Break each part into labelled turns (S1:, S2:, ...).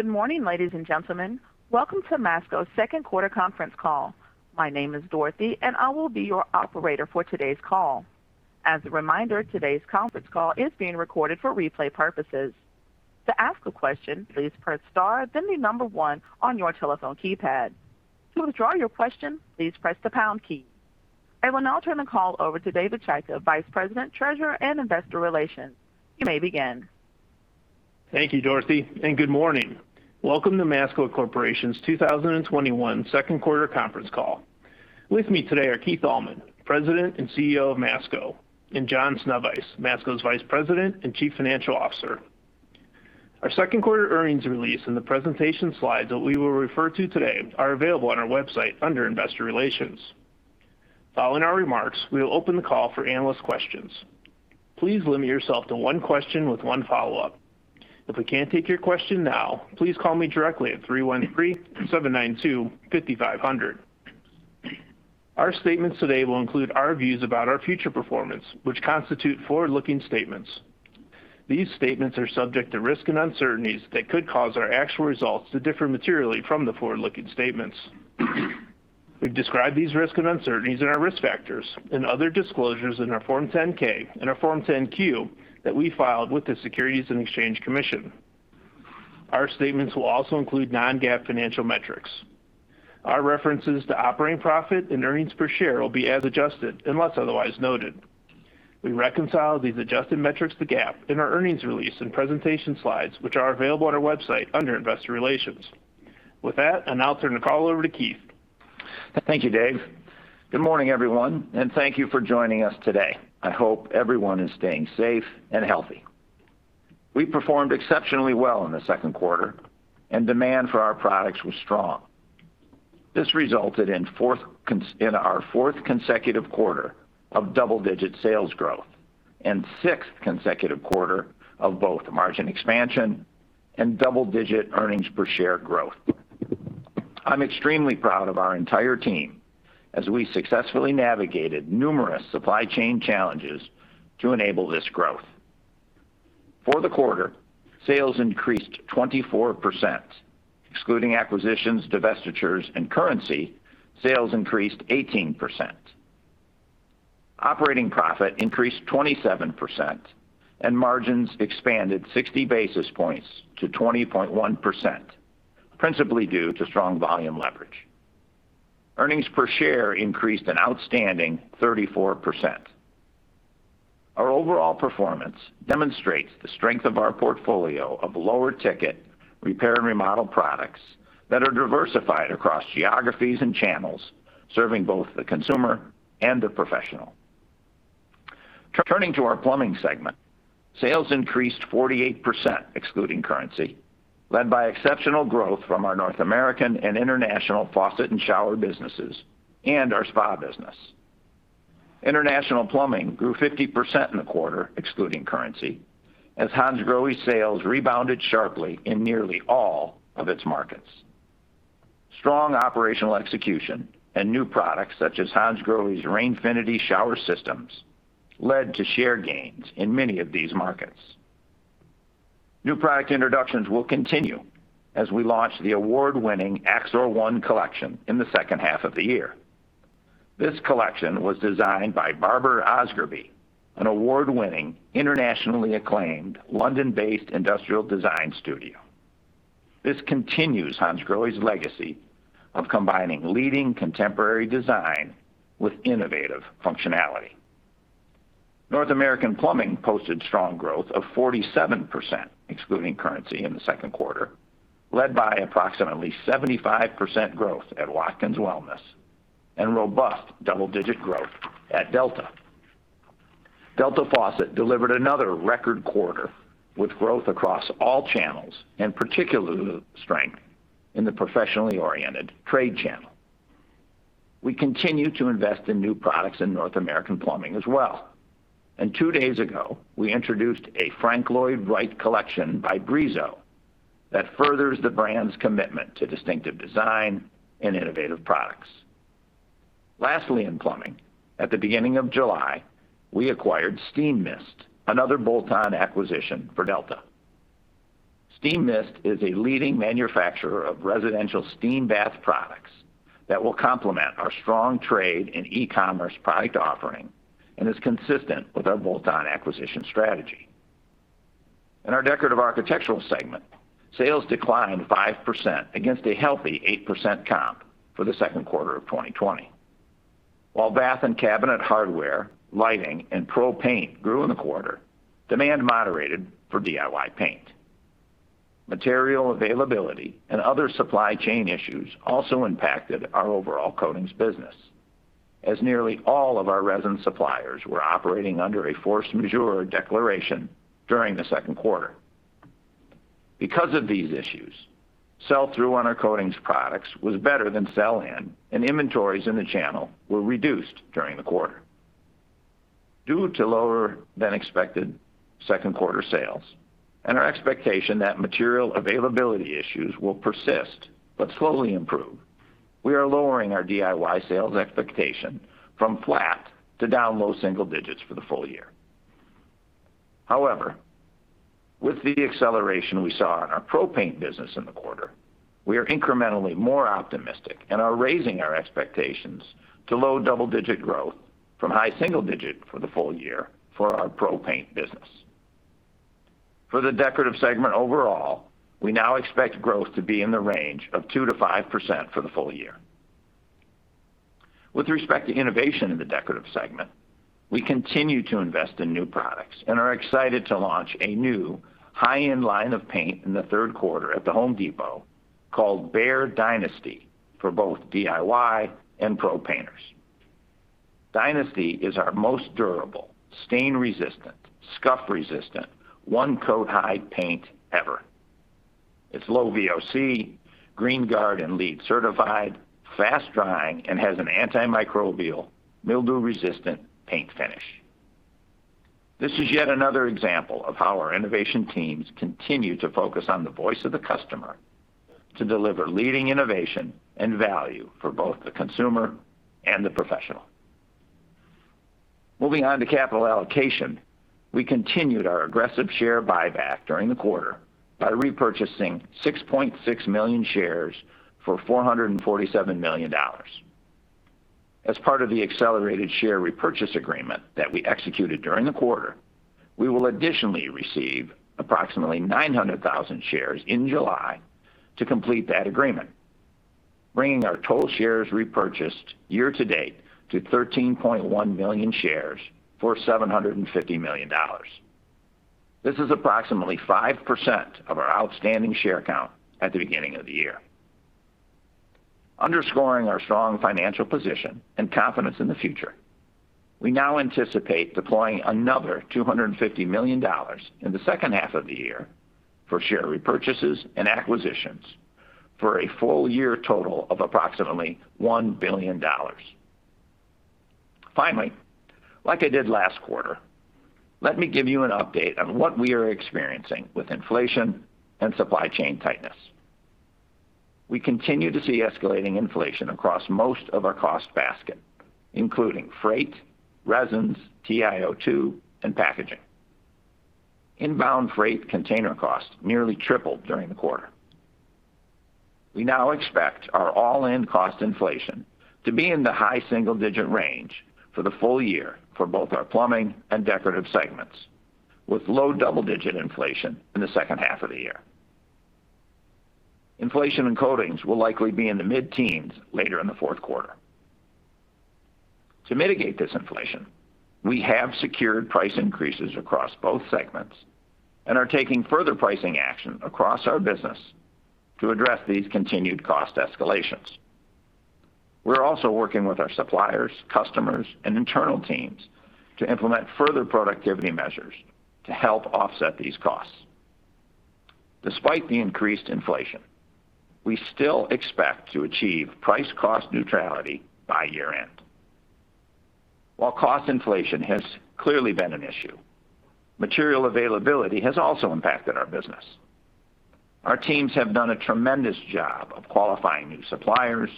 S1: Good morning, ladies and gentlemen. Welcome to Masco's second quarter conference call. My name is Dorothy, and I will be your operator for today's call. As a reminder, today's conference call is being recorded for replay purposes. To ask a question, please press star then the number one on your telephone keypad. To withdraw your question, please press the pound key. I will now turn the call over to David Chaika, Vice President, Treasurer, and Investor Relations. You may begin.
S2: Thank you, Dorothy, and good morning. Welcome to Masco Corporation's 2021 second quarter conference call. With me today are Keith Allman, President and CEO of Masco, and John Sznewajs, Masco's Vice President and Chief Financial Officer. Our second quarter earnings release and the presentation slides that we will refer to today are available on our website under Investor Relations. Following our remarks, we will open the call for analyst questions. Please limit yourself to one question with one follow-up. If we can't take your question now, please call me directly at 313-792-5500. Our statements today will include our views about our future performance, which constitute forward-looking statements. These statements are subject to risks and uncertainties that could cause our actual results to differ materially from the forward-looking statements. We've described these risks and uncertainties in our risk factors and other disclosures in our Form 10-K and our Form 10-Q that we filed with the Securities and Exchange Commission. Our statements will also include non-GAAP financial metrics. Our references to operating profit and earnings per share will be as adjusted unless otherwise noted. We reconcile these adjusted metrics to GAAP in our earnings release and presentation slides, which are available on our website under Investor Relations. With that, I now turn the call over to Keith.
S3: Thank you, Dave. Good morning, everyone, and thank you for joining us today. I hope everyone is staying safe and healthy. We performed exceptionally well in the second quarter, and demand for our products was strong. This resulted in our fourth consecutive quarter of double-digit sales growth and sixth consecutive quarter of both margin expansion and double-digit earnings per share growth. I'm extremely proud of our entire team as we successfully navigated numerous supply chain challenges to enable this growth. For the quarter, sales increased 24%. Excluding acquisitions, divestitures, and currency, sales increased 18%. Operating profit increased 27%, and margins expanded 60 basis points to 20.1%, principally due to strong volume leverage. Earnings per share increased an outstanding 34%. Our overall performance demonstrates the strength of our portfolio of lower ticket repair and remodel products that are diversified across geographies and channels, serving both the consumer and the professional. Turning to our plumbing segment, sales increased 48%, excluding currency, led by exceptional growth from our North American and international faucet and shower businesses and our spa business. International Plumbing grew 50% in the quarter, excluding currency, as Hansgrohe sales rebounded sharply in nearly all of its markets. Strong operational execution and new products, such as Hansgrohe's Rainfinity shower systems, led to share gains in many of these markets. New product introductions will continue as we launch the award-winning AXOR One collection in the second half of the year. This collection was designed by Barber Osgerby, an award-winning, internationally acclaimed, London-based industrial design studio. This continues Hansgrohe's legacy of combining leading contemporary design with innovative functionality. North American Plumbing posted strong growth of 47%, excluding currency, in the second quarter, led by approximately 75% growth at Watkins Wellness and robust double-digit growth at Delta. Delta Faucet delivered another record quarter with growth across all channels, particularly strength in the professionally oriented trade channel. We continue to invest in new products in North American Plumbing as well. Two days ago, we introduced a Frank Lloyd Wright collection by Brizo that furthers the brand's commitment to distinctive design and innovative products. Lastly, in plumbing, at the beginning of July, we acquired Steamist, another bolt-on acquisition for Delta. Steamist is a leading manufacturer of residential steam bath products that will complement our strong trade and e-commerce product offering and is consistent with our bolt-on acquisition strategy. In our decorative architectural segment, sales declined 5% against a healthy 8% comp for the second quarter of 2020. While bath and cabinet hardware, lighting, and pro paint grew in the quarter, demand moderated for DIY paint. Material availability and other supply chain issues also impacted our overall coatings business, as nearly all of our resin suppliers were operating under a force majeure declaration during the second quarter. Because of these issues, sell-through on our coatings products was better than sell-in, and inventories in the channel were reduced during the quarter. Due to lower than expected second quarter sales and our expectation that material availability issues will persist but slowly improve. We are lowering our DIY sales expectation from flat to down low single digits for the full year. However, with the acceleration we saw in our pro paint business in the quarter, we are incrementally more optimistic and are raising our expectations to low double-digit growth from high single digit for the full year for our pro paint business. For the decorative segment overall, we now expect growth to be in the range of 2%-5% for the full year. With respect to innovation in the decorative segment, we continue to invest in new products and are excited to launch a new high-end line of paint in the third quarter at The Home Depot called BEHR DYNASTY for both DIY and pro painters. DYNASTY is our most durable, stain-resistant, scuff-resistant, one-coat hide paint ever. It's low VOC, GREENGUARD and LEED certified, fast-drying, and has an antimicrobial, mildew-resistant paint finish. This is yet another example of how our innovation teams continue to focus on the voice of the customer to deliver leading innovation and value for both the consumer and the professional. Moving on to capital allocation. We continued our aggressive share buyback during the quarter by repurchasing 6.6 million shares for $447 million. As part of the accelerated share repurchase agreement that we executed during the quarter, we will additionally receive approximately 900,000 shares in July to complete that agreement, bringing our total shares repurchased year to date to 13.1 million shares for $750 million. This is approximately 5% of our outstanding share count at the beginning of the year. Underscoring our strong financial position and confidence in the future, we now anticipate deploying another $250 million in the second half of the year for share repurchases and acquisitions for a full year total of approximately $1 billion. Finally, like I did last quarter, let me give you an update on what we are experiencing with inflation and supply chain tightness. We continue to see escalating inflation across most of our cost basket, including freight, resins, TiO2, and packaging. Inbound freight container costs nearly tripled during the quarter. We now expect our all-in cost inflation to be in the high single-digit range for the full year for both our plumbing and decorative segments, with low double-digit inflation in the second half of the year. Inflation in coatings will likely be in the mid-teens later in the fourth quarter. To mitigate this inflation, we have secured price increases across both segments and are taking further pricing action across our business to address these continued cost escalations. We're also working with our suppliers, customers, and internal teams to implement further productivity measures to help offset these costs. Despite the increased inflation, we still expect to achieve price cost neutrality by year-end. While cost inflation has clearly been an issue, material availability has also impacted our business. Our teams have done a tremendous job of qualifying new suppliers,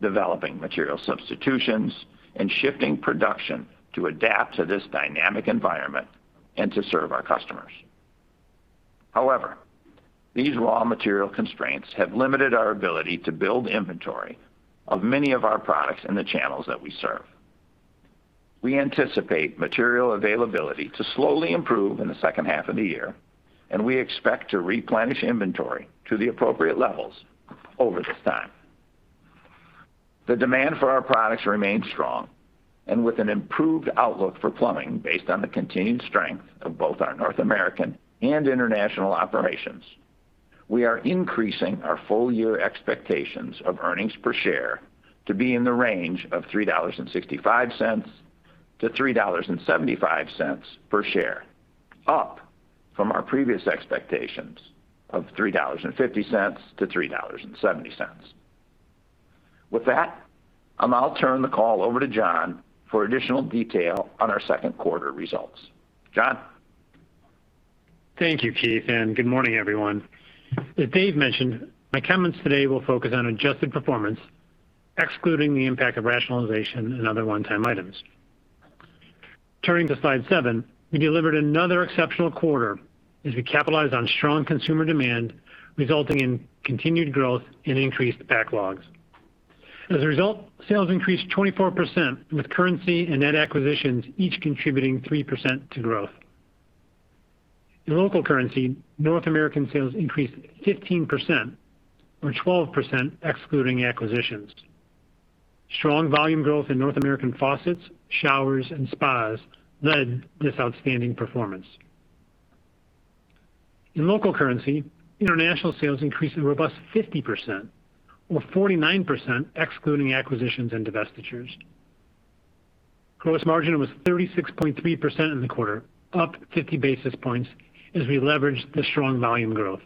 S3: developing material substitutions, and shifting production to adapt to this dynamic environment and to serve our customers. These raw material constraints have limited our ability to build inventory of many of our products in the channels that we serve. We anticipate material availability to slowly improve in the second half of the year, and we expect to replenish inventory to the appropriate levels over this time. The demand for our products remains strong and with an improved outlook for plumbing based on the continued strength of both our North American and international operations. We are increasing our full-year expectations of EPS to be in the range of $3.65-$3.75 per share, up from our previous expectations of $3.50-$3.70. With that, I'll now turn the call over to John for additional detail on our second quarter results. John?
S4: Thank you, Keith. Good morning, everyone. As Dave mentioned, my comments today will focus on adjusted performance, excluding the impact of rationalization and other one-time items. Turning to slide seven. We delivered another exceptional quarter as we capitalized on strong consumer demand, resulting in continued growth and increased backlogs. Sales increased 24%, with currency and net acquisitions each contributing 3% to growth. In local currency, North American sales increased 15%, or 12% excluding acquisitions. Strong volume growth in North American faucets, showers, and spas led this outstanding performance. In local currency, international sales increased a robust 50%, or 49% excluding acquisitions and divestitures. Gross margin was 36.3% in the quarter, up 50 basis points as we leveraged the strong volume growth.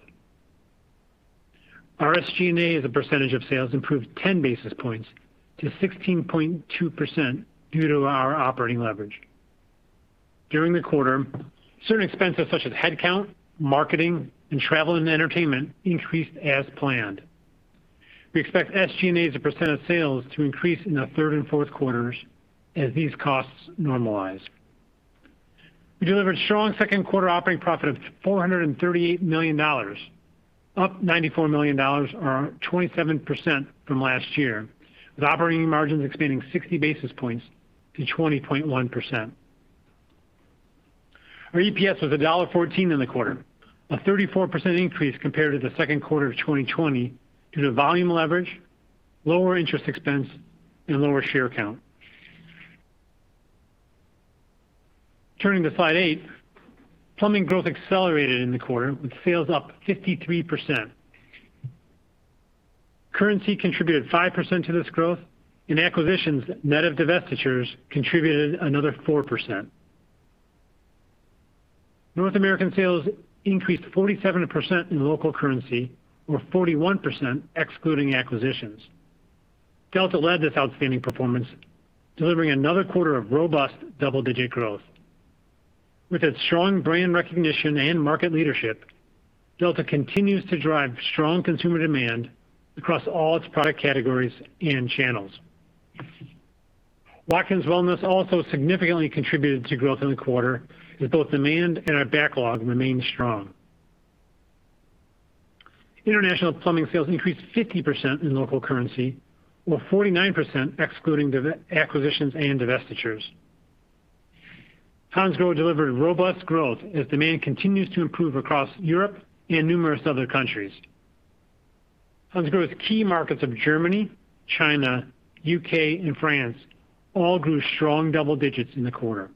S4: Our SG&A as a percentage of sales improved 10 basis points to 16.2% due to our operating leverage. During the quarter, certain expenses such as headcount, marketing, and travel and entertainment increased as planned. We expect SG&A as a percentage of sales to increase in the third and fourth quarters as these costs normalize. We delivered strong second quarter operating profit of $438 million, up $94 million or 27% from last year, with operating margins expanding 60 basis points to 20.1%. Our EPS was $1.14 in the quarter, a 34% increase compared to the second quarter of 2020 due to volume leverage, lower interest expense, and lower share count. Turning to slide eight, plumbing growth accelerated in the quarter with sales up 53%. Currency contributed 5% to this growth and acquisitions net of divestitures contributed another 4%. North American sales increased 47% in local currency or 41% excluding acquisitions. Delta led this outstanding performance, delivering another quarter of robust double-digit growth. With its strong brand recognition and market leadership, Delta continues to drive strong consumer demand across all its product categories and channels. Watkins Wellness also significantly contributed to growth in the quarter, with both demand and our backlog remaining strong. International plumbing sales increased 50% in local currency or 49% excluding the acquisitions and divestitures. Hansgrohe delivered robust growth as demand continues to improve across Europe and numerous other countries. Hansgrohe's key markets of Germany, China, U.K., and France all grew strong double-digits in the quarter.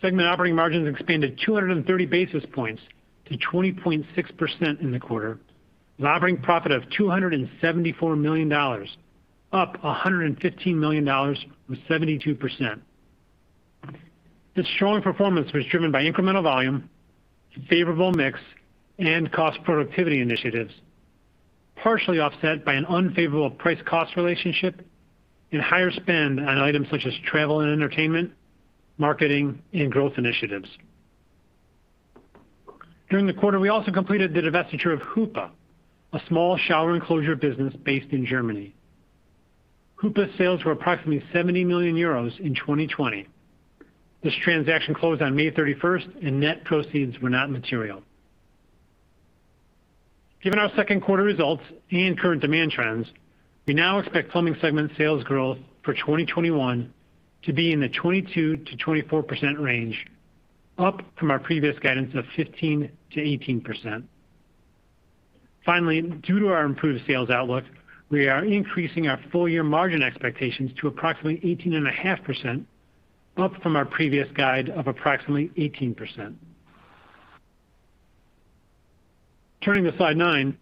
S4: Segment operating margins expanded 230 basis points to 20.6% in the quarter, with operating profit of $274 million, up $115 million with 72%. This strong performance was driven by incremental volume, favorable mix, and cost productivity initiatives, partially offset by an unfavorable price-cost relationship and higher spend on items such as travel and entertainment, marketing, and growth initiatives. During the quarter, we also completed the divestiture of Hüppe, a small shower enclosure business based in Germany. Hüppe sales were approximately 70 million euros in 2020. This transaction closed on May 31st and net proceeds were not material. Given our second quarter results and current demand trends, we now expect plumbing segment sales growth for 2021 to be in the 22%-24% range, up from our previous guidance of 15%-18%. Finally, due to our improved sales outlook, we are increasing our full year margin expectations to approximately 18.5%, up from our previous guide of approximately 18%. Turning to slide nine,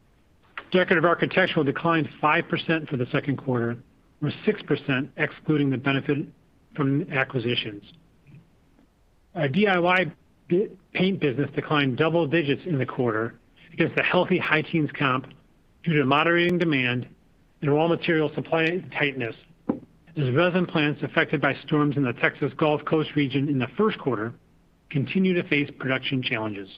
S4: Decorative Architectural declined 5% for the second quarter or 6% excluding the benefit from acquisitions. Our DIY paint business declined double digits in the quarter against a healthy high teens comp due to moderating demand and raw material supply tightness, as resin plants affected by storms in the Texas Gulf Coast region in the first quarter continue to face production challenges.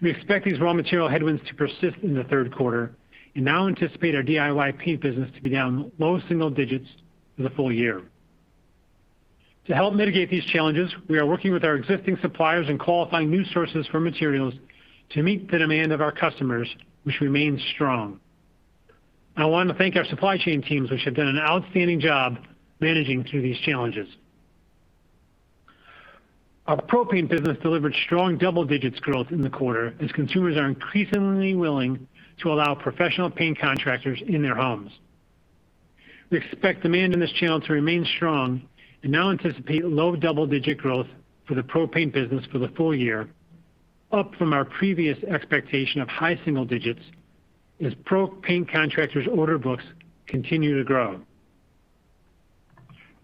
S4: We expect these raw material headwinds to persist in the third quarter and now anticipate our DIY paint business to be down low single digits for the full year. To help mitigate these challenges, we are working with our existing suppliers and qualifying new sources for materials to meet the demand of our customers, which remains strong. I want to thank our supply chain teams, which have done an outstanding job managing through these challenges. Our pro-paint business delivered strong double-digit growth in the quarter as consumers are increasingly willing to allow professional paint contractors in their homes. We expect demand in this channel to remain strong and now anticipate low double-digit growth for the pro-paint business for the full year, up from our previous expectation of high single digits as pro-paint contractors' order books continue to grow.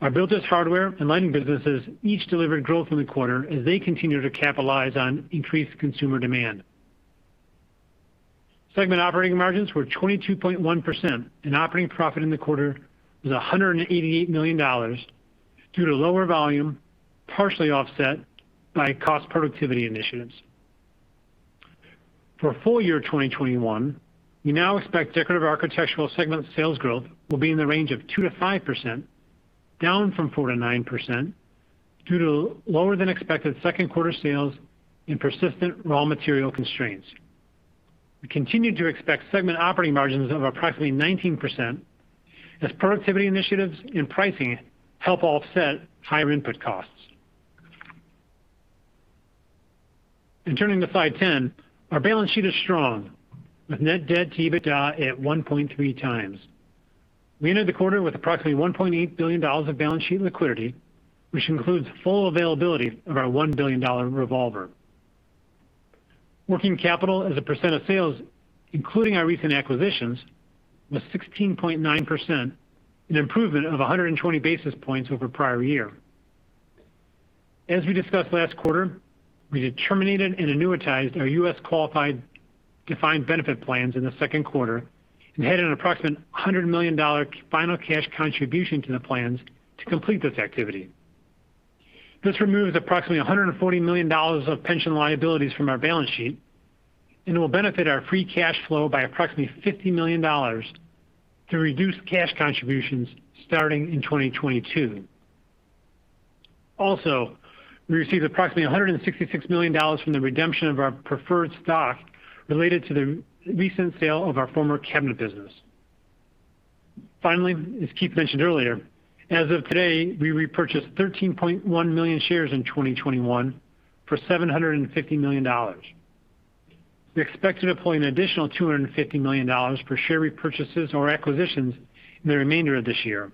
S4: Our bath hardware and lighting businesses each delivered growth in the quarter as they continue to capitalize on increased consumer demand. Segment operating margins were 22.1% and operating profit in the quarter was $188 million due to lower volume, partially offset by cost productivity initiatives. For full year 2021, we now expect Decorative Architectural segment sales growth will be in the range of 2%-5%, down from 4%-9%, due to lower than expected second quarter sales and persistent raw material constraints. We continue to expect segment operating margins of approximately 19% as productivity initiatives and pricing help offset higher input costs. Turning to slide 10, our balance sheet is strong with net debt to EBITDA at 1.3 times. We ended the quarter with approximately $1.8 billion of balance sheet liquidity, which includes full availability of our $1 billion revolver. Working capital as a percent of sales, including our recent acquisitions, was 16.9%, an improvement of 120 basis points over prior year. As we discussed last quarter, we determined and annuitized our U.S. qualified defined benefit plans in the second quarter and had an approximate $100 million final cash contribution to the plans to complete this activity. This removes approximately $140 million of pension liabilities from our balance sheet and it will benefit our free cash flow by approximately $50 million to reduce cash contributions starting in 2022. Also, we received approximately $166 million from the redemption of our preferred stock related to the recent sale of our former cabinet business. Finally, as Keith mentioned earlier, as of today, we repurchased 13.1 million shares in 2021 for $750 million. We expect to deploy an additional $250 million for share repurchases or acquisitions in the remainder of this year.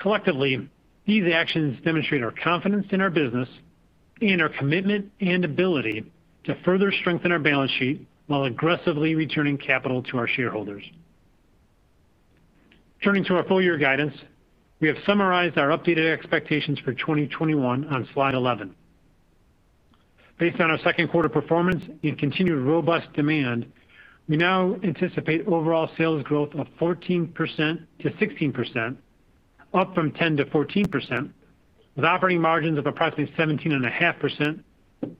S4: Collectively, these actions demonstrate our confidence in our business and our commitment and ability to further strengthen our balance sheet while aggressively returning capital to our shareholders. Turning to our full year guidance, we have summarized our updated expectations for 2021 on slide 11. Based on our second quarter performance and continued robust demand, we now anticipate overall sales growth of 14%-16%, up from 10%-14%, with operating margins of approximately 17.5%,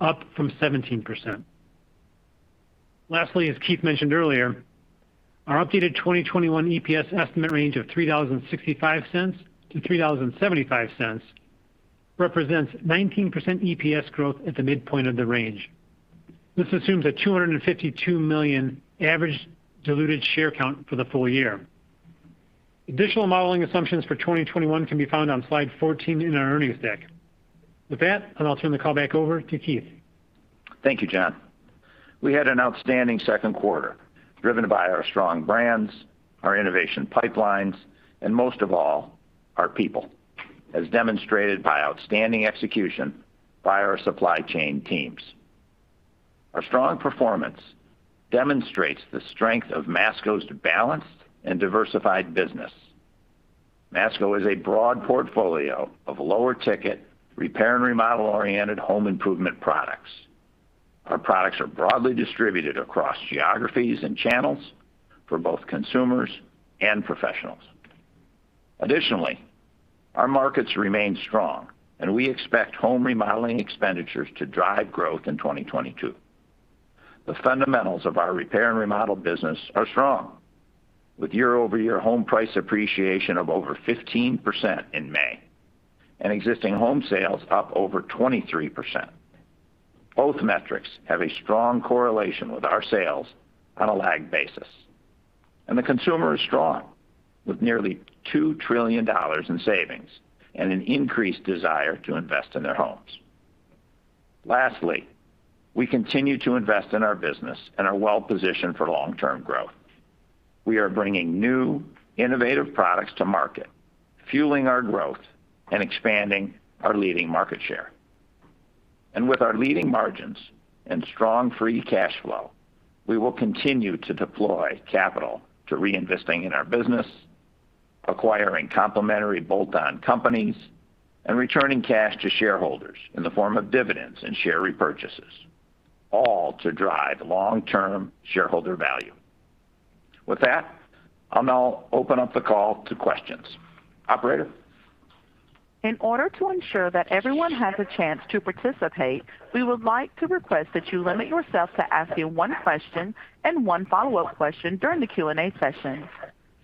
S4: up from 17%. Lastly, as Keith mentioned earlier, our updated 2021 EPS estimate range of $0.0365-$0.0375 represents 19% EPS growth at the midpoint of the range. This assumes a 252 million average diluted share count for the full year. Additional modeling assumptions for 2021 can be found on slide 14 in our earnings deck. With that, I'll now turn the call back over to Keith.
S3: Thank you, John. We had an outstanding second quarter driven by our strong brands, our innovation pipelines, and most of all, our people, as demonstrated by outstanding execution by our supply chain teams. Our strong performance demonstrates the strength of Masco's balanced and diversified business. Masco is a broad portfolio of lower ticket repair and remodel oriented home improvement products. Our products are broadly distributed across geographies and channels for both consumers and professionals. Our markets remain strong, and we expect home remodeling expenditures to drive growth in 2022. The fundamentals of our repair and remodel business are strong, with year-over-year home price appreciation of over 15% in May and existing home sales up over 23%. Both metrics have a strong correlation with our sales on a lag basis, and the consumer is strong with nearly $2 trillion in savings and an increased desire to invest in their homes. Lastly, we continue to invest in our business and are well positioned for long-term growth. We are bringing new, innovative products to market, fueling our growth and expanding our leading market share. With our leading margins and strong free cash flow, we will continue to deploy capital to reinvesting in our business, acquiring complementary bolt-on companies, and returning cash to shareholders in the form of dividends and share repurchases, all to drive long-term shareholder value. With that, I'll now open up the call to questions. Operator?
S1: In order to ensure that everyone has a chance to participate, we would like to request that you limit yourself to asking one question and one follow-up question during the Q&A session.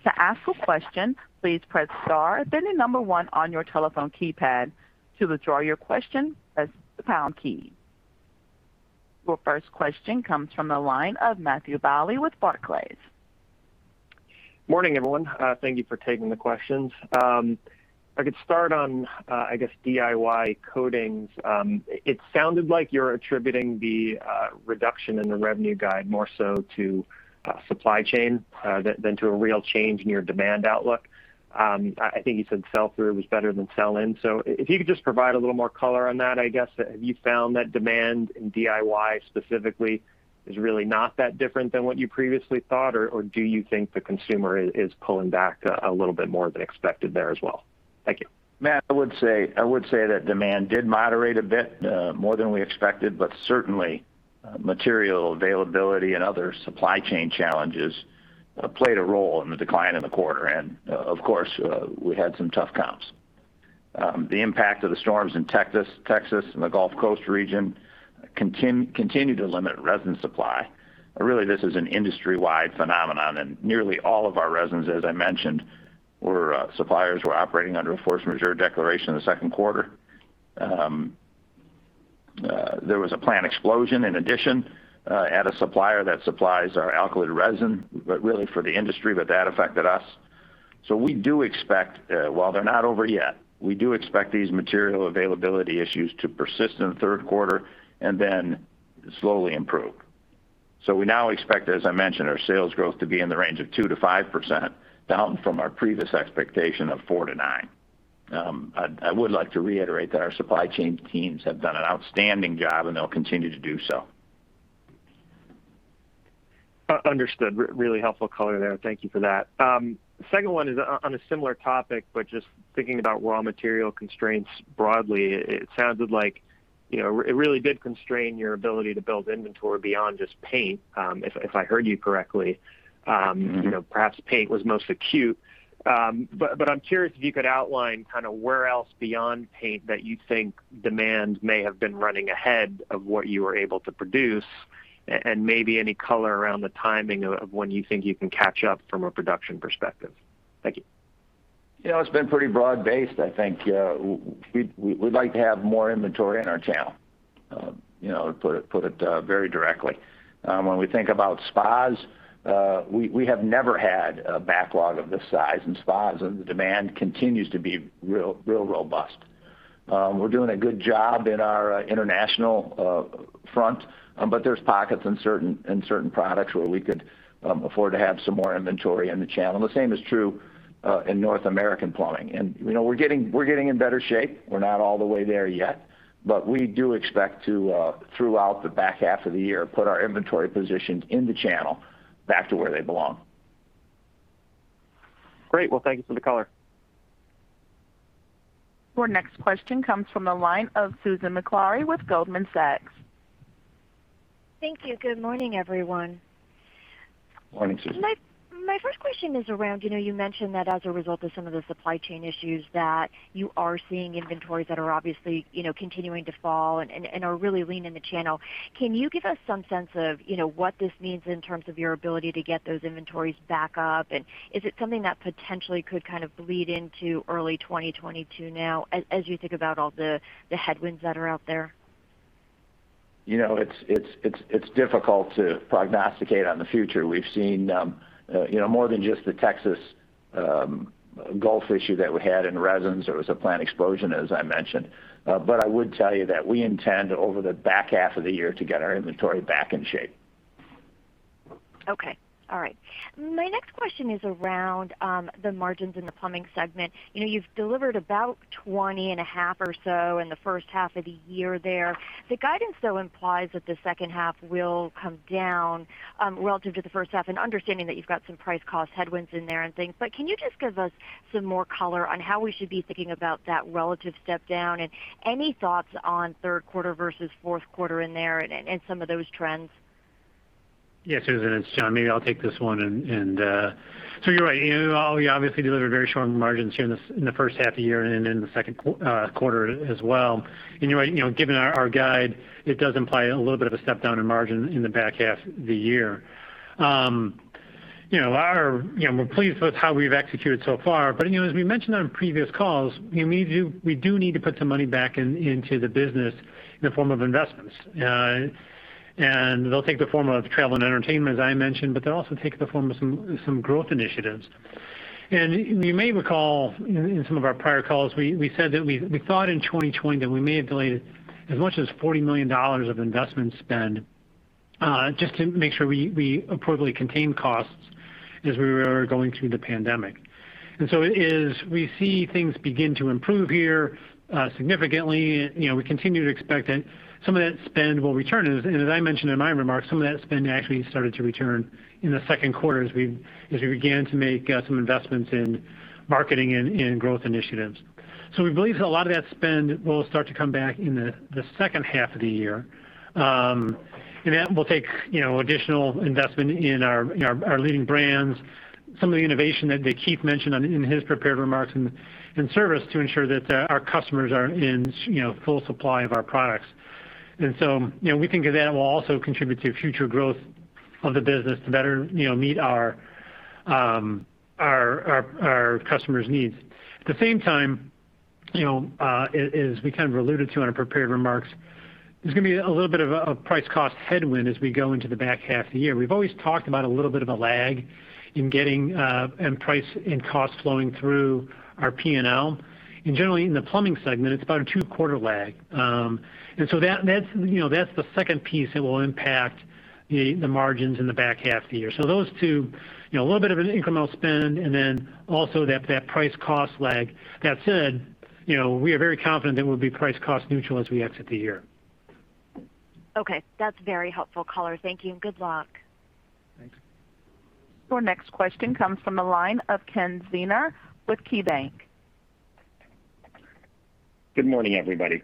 S1: To ask a question, please press star, then the number one on your telephone. To withdraw your question, press the pound key. Your first question comes from the line of Matthew Bouley with Barclays.
S5: Morning, everyone. Thank you for taking the questions. If I could start on, I guess, DIY coatings. It sounded like you're attributing the reduction in the revenue guide more so to supply chain than to a real change in your demand outlook. I think you said sell-through was better than sell-in. If you could just provide a little more color on that, I guess. Have you found that demand in DIY specifically is really not that different than what you previously thought, or do you think the consumer is pulling back a little bit more than expected there as well? Thank you.
S3: Matt, I would say that demand did moderate a bit more than we expected, but certainly material availability and other supply chain challenges played a role in the decline in the quarter end. Of course, we had some tough comps. The impact of the storms in Texas and the Gulf Coast region continue to limit resin supply. Really, this is an industry-wide phenomenon, and nearly all of our resins, as I mentioned, suppliers were operating under a force majeure declaration in the second quarter. There was a plant explosion in addition at a supplier that supplies our alkyd resin, but really for the industry, but that affected us. We do expect, while they're not over yet, we do expect these material availability issues to persist in the third quarter and then slowly improve. We now expect, as I mentioned, our sales growth to be in the range of 2%-5%, down from our previous expectation of 4%-9%. I would like to reiterate that our supply chain teams have done an outstanding job, and they'll continue to do so.
S5: Understood. Really helpful color there. Thank you for that. Second one is on a similar topic, just thinking about raw material constraints broadly. It sounded like it really did constrain your ability to build inventory beyond just paint, if I heard you correctly. Perhaps paint was most acute. I'm curious if you could outline where else beyond paint that you think demand may have been running ahead of what you were able to produce, and maybe any color around the timing of when you think you can catch up from a production perspective. Thank you.
S3: It's been pretty broad-based, I think. We'd like to have more inventory in our channel, to put it very directly. When we think about spas, we have never had a backlog of this size in spas, and the demand continues to be real robust. We're doing a good job in our international front, but there's pockets in certain products where we could afford to have some more inventory in the channel. The same is true in North American plumbing. We're getting in better shape. We're not all the way there yet, but we do expect to, throughout the back half of the year, put our inventory positions in the channel back to where they belong.
S5: Great. Well, thank you for the color.
S1: Your next question comes from the line of Susan Maklari with Goldman Sachs.
S6: Thank you. Good morning, everyone.
S3: Morning, Susan.
S6: My first question is around, you mentioned that as a result of some of the supply chain issues, that you are seeing inventories that are obviously continuing to fall and are really lean in the channel. Can you give us some sense of what this means in terms of your ability to get those inventories back up? Is it something that potentially could kind of bleed into early 2022 now, as you think about all the headwinds that are out there?
S3: It's difficult to prognosticate on the future. We've seen more than just the Texas Gulf issue that we had in resins. There was a plant explosion, as I mentioned. I would tell you that we intend, over the back half of the year, to get our inventory back in shape.
S6: Okay. All right. My next question is around the margins in the plumbing segment. You've delivered about 20.5% or so in the first half of the year there. The guidance, though, implies that the second half will come down relative to the first half, and understanding that you've got some price cost headwinds in there and things. Can you just give us some more color on how we should be thinking about that relative step down? Any thoughts on third quarter versus fourth quarter in there and some of those trends?
S4: Yeah, Susan, it's John. Maybe I'll take this one. You're right. We obviously delivered very strong margins here in the first half of the year and in the second quarter as well. You're right, given our guide, it does imply a little bit of a step down in margin in the back half of the year. We're pleased with how we've executed so far. As we mentioned on previous calls, we do need to put some money back into the business in the form of investments. They'll take the form of travel and entertainment, as I mentioned, but they'll also take the form of some growth initiatives. You may recall in some of our prior calls, we said that we thought in 2020 that we may have delayed as much as $40 million of investment spend, just to make sure we appropriately contained costs as we were going through the pandemic. As we see things begin to improve here significantly, we continue to expect that some of that spend will return. As I mentioned in my remarks, some of that spend actually started to return in the second quarter as we began to make some investments in marketing and in growth initiatives. We believe that a lot of that spend will start to come back in the second half of the year. That will take additional investment in our leading brands, some of the innovation that Keith mentioned in his prepared remarks, and service to ensure that our customers are in full supply of our products. We think that that will also contribute to future growth of the business to better meet our customers' needs. At the same time, as we kind of alluded to in our prepared remarks, there's going to be a little bit of a price cost headwind as we go into the back half of the year. We've always talked about a little bit of a lag in price and cost flowing through our P&L. Generally, in the plumbing segment, it's about a two-quarter lag. That's the second piece that will impact the margins in the back half of the year. Those two, a little bit of an incremental spend and then also that price cost lag. That said, we are very confident that we'll be price cost neutral as we exit the year.
S6: Okay. That's very helpful color. Thank you. Good luck.
S4: Thanks.
S1: Your next question comes from the line of Ken Zener with KeyBanc.
S7: Good morning, everybody.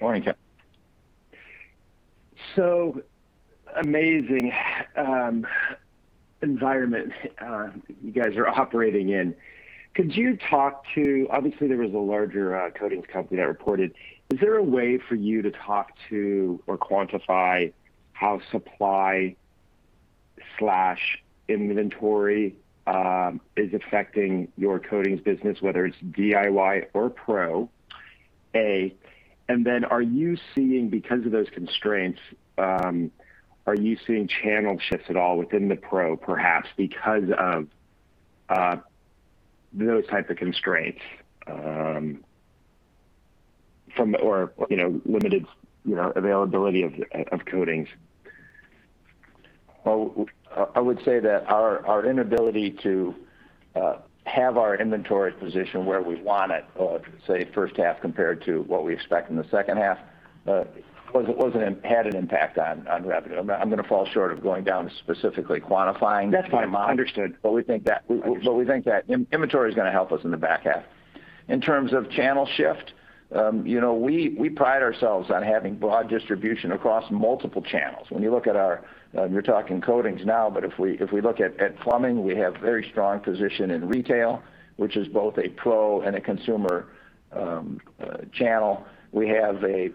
S3: Morning, Ken.
S7: Amazing environment you guys are operating in. Obviously, there was a larger coatings company that reported. Is there a way for you to talk to or quantify how supply/inventory is affecting your coatings business, whether it's DIY or pro? A. Are you seeing, because of those constraints, are you seeing channel shifts at all within the pro, perhaps, because of those types of constraints, or limited availability of coatings?
S3: Well, I would say that our inability to have our inventory position where we want it, or say first half compared to what we expect in the second half. It had an impact on revenue. I'm going to fall short of going down specifically quantifying.
S7: That's fine. Understood.
S3: We think that inventory is going to help us in the back half. In terms of channel shift, we pride ourselves on having broad distribution across multiple channels. When you look at, you're talking coatings now, but if we look at plumbing, we have very strong position in retail, which is both a pro and a consumer channel. We have a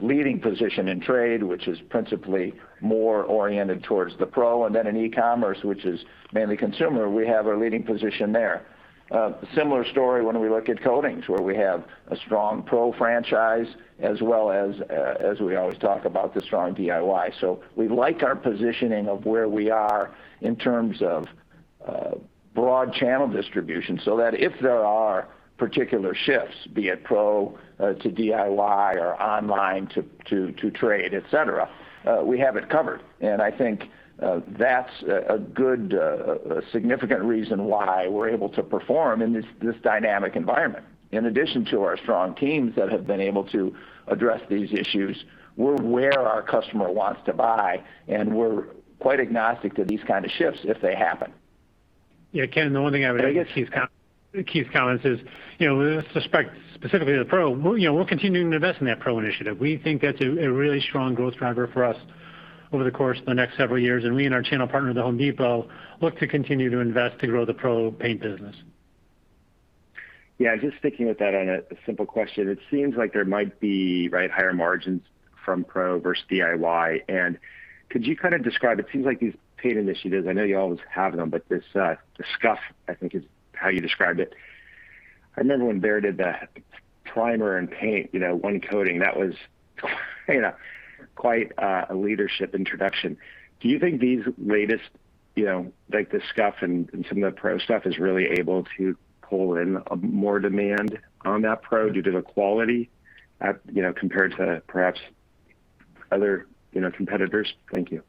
S3: leading position in trade, which is principally more oriented towards the pro. Then in e-commerce, which is mainly consumer, we have a leading position there. A similar story when we look at coatings, where we have a strong pro franchise as well as we always talk about, the strong DIY. We like our positioning of where we are in terms of broad channel distribution, so that if there are particular shifts, be it pro to DIY or online to trade, et cetera, we have it covered. I think that's a good significant reason why we're able to perform in this dynamic environment. In addition to our strong teams that have been able to address these issues, we're where our customer wants to buy and we're quite agnostic to these kind of shifts if they happen.
S4: Yeah, Ken, the one thing I would add to Keith's comments is, with respect specifically to the pro, we're continuing to invest in that pro initiative. We think that's a really strong growth driver for us over the course of the next several years, and we and our channel partner, The Home Depot, look to continue to invest to grow the pro paint business.
S7: Yeah, just sticking with that on a simple question. It seems like there might be higher margins from pro versus DIY. Could you kind of describe, it seems like these paint initiatives, I know you always have them, but this scuff, I think, is how you described it. I remember when Behr did the primer and paint, one coating. That was quite a leadership introduction. Do you think these latest, like the scuff and some of the pro stuff is really able to pull in more demand on that pro due to the quality compared to perhaps other competitors? Thank you.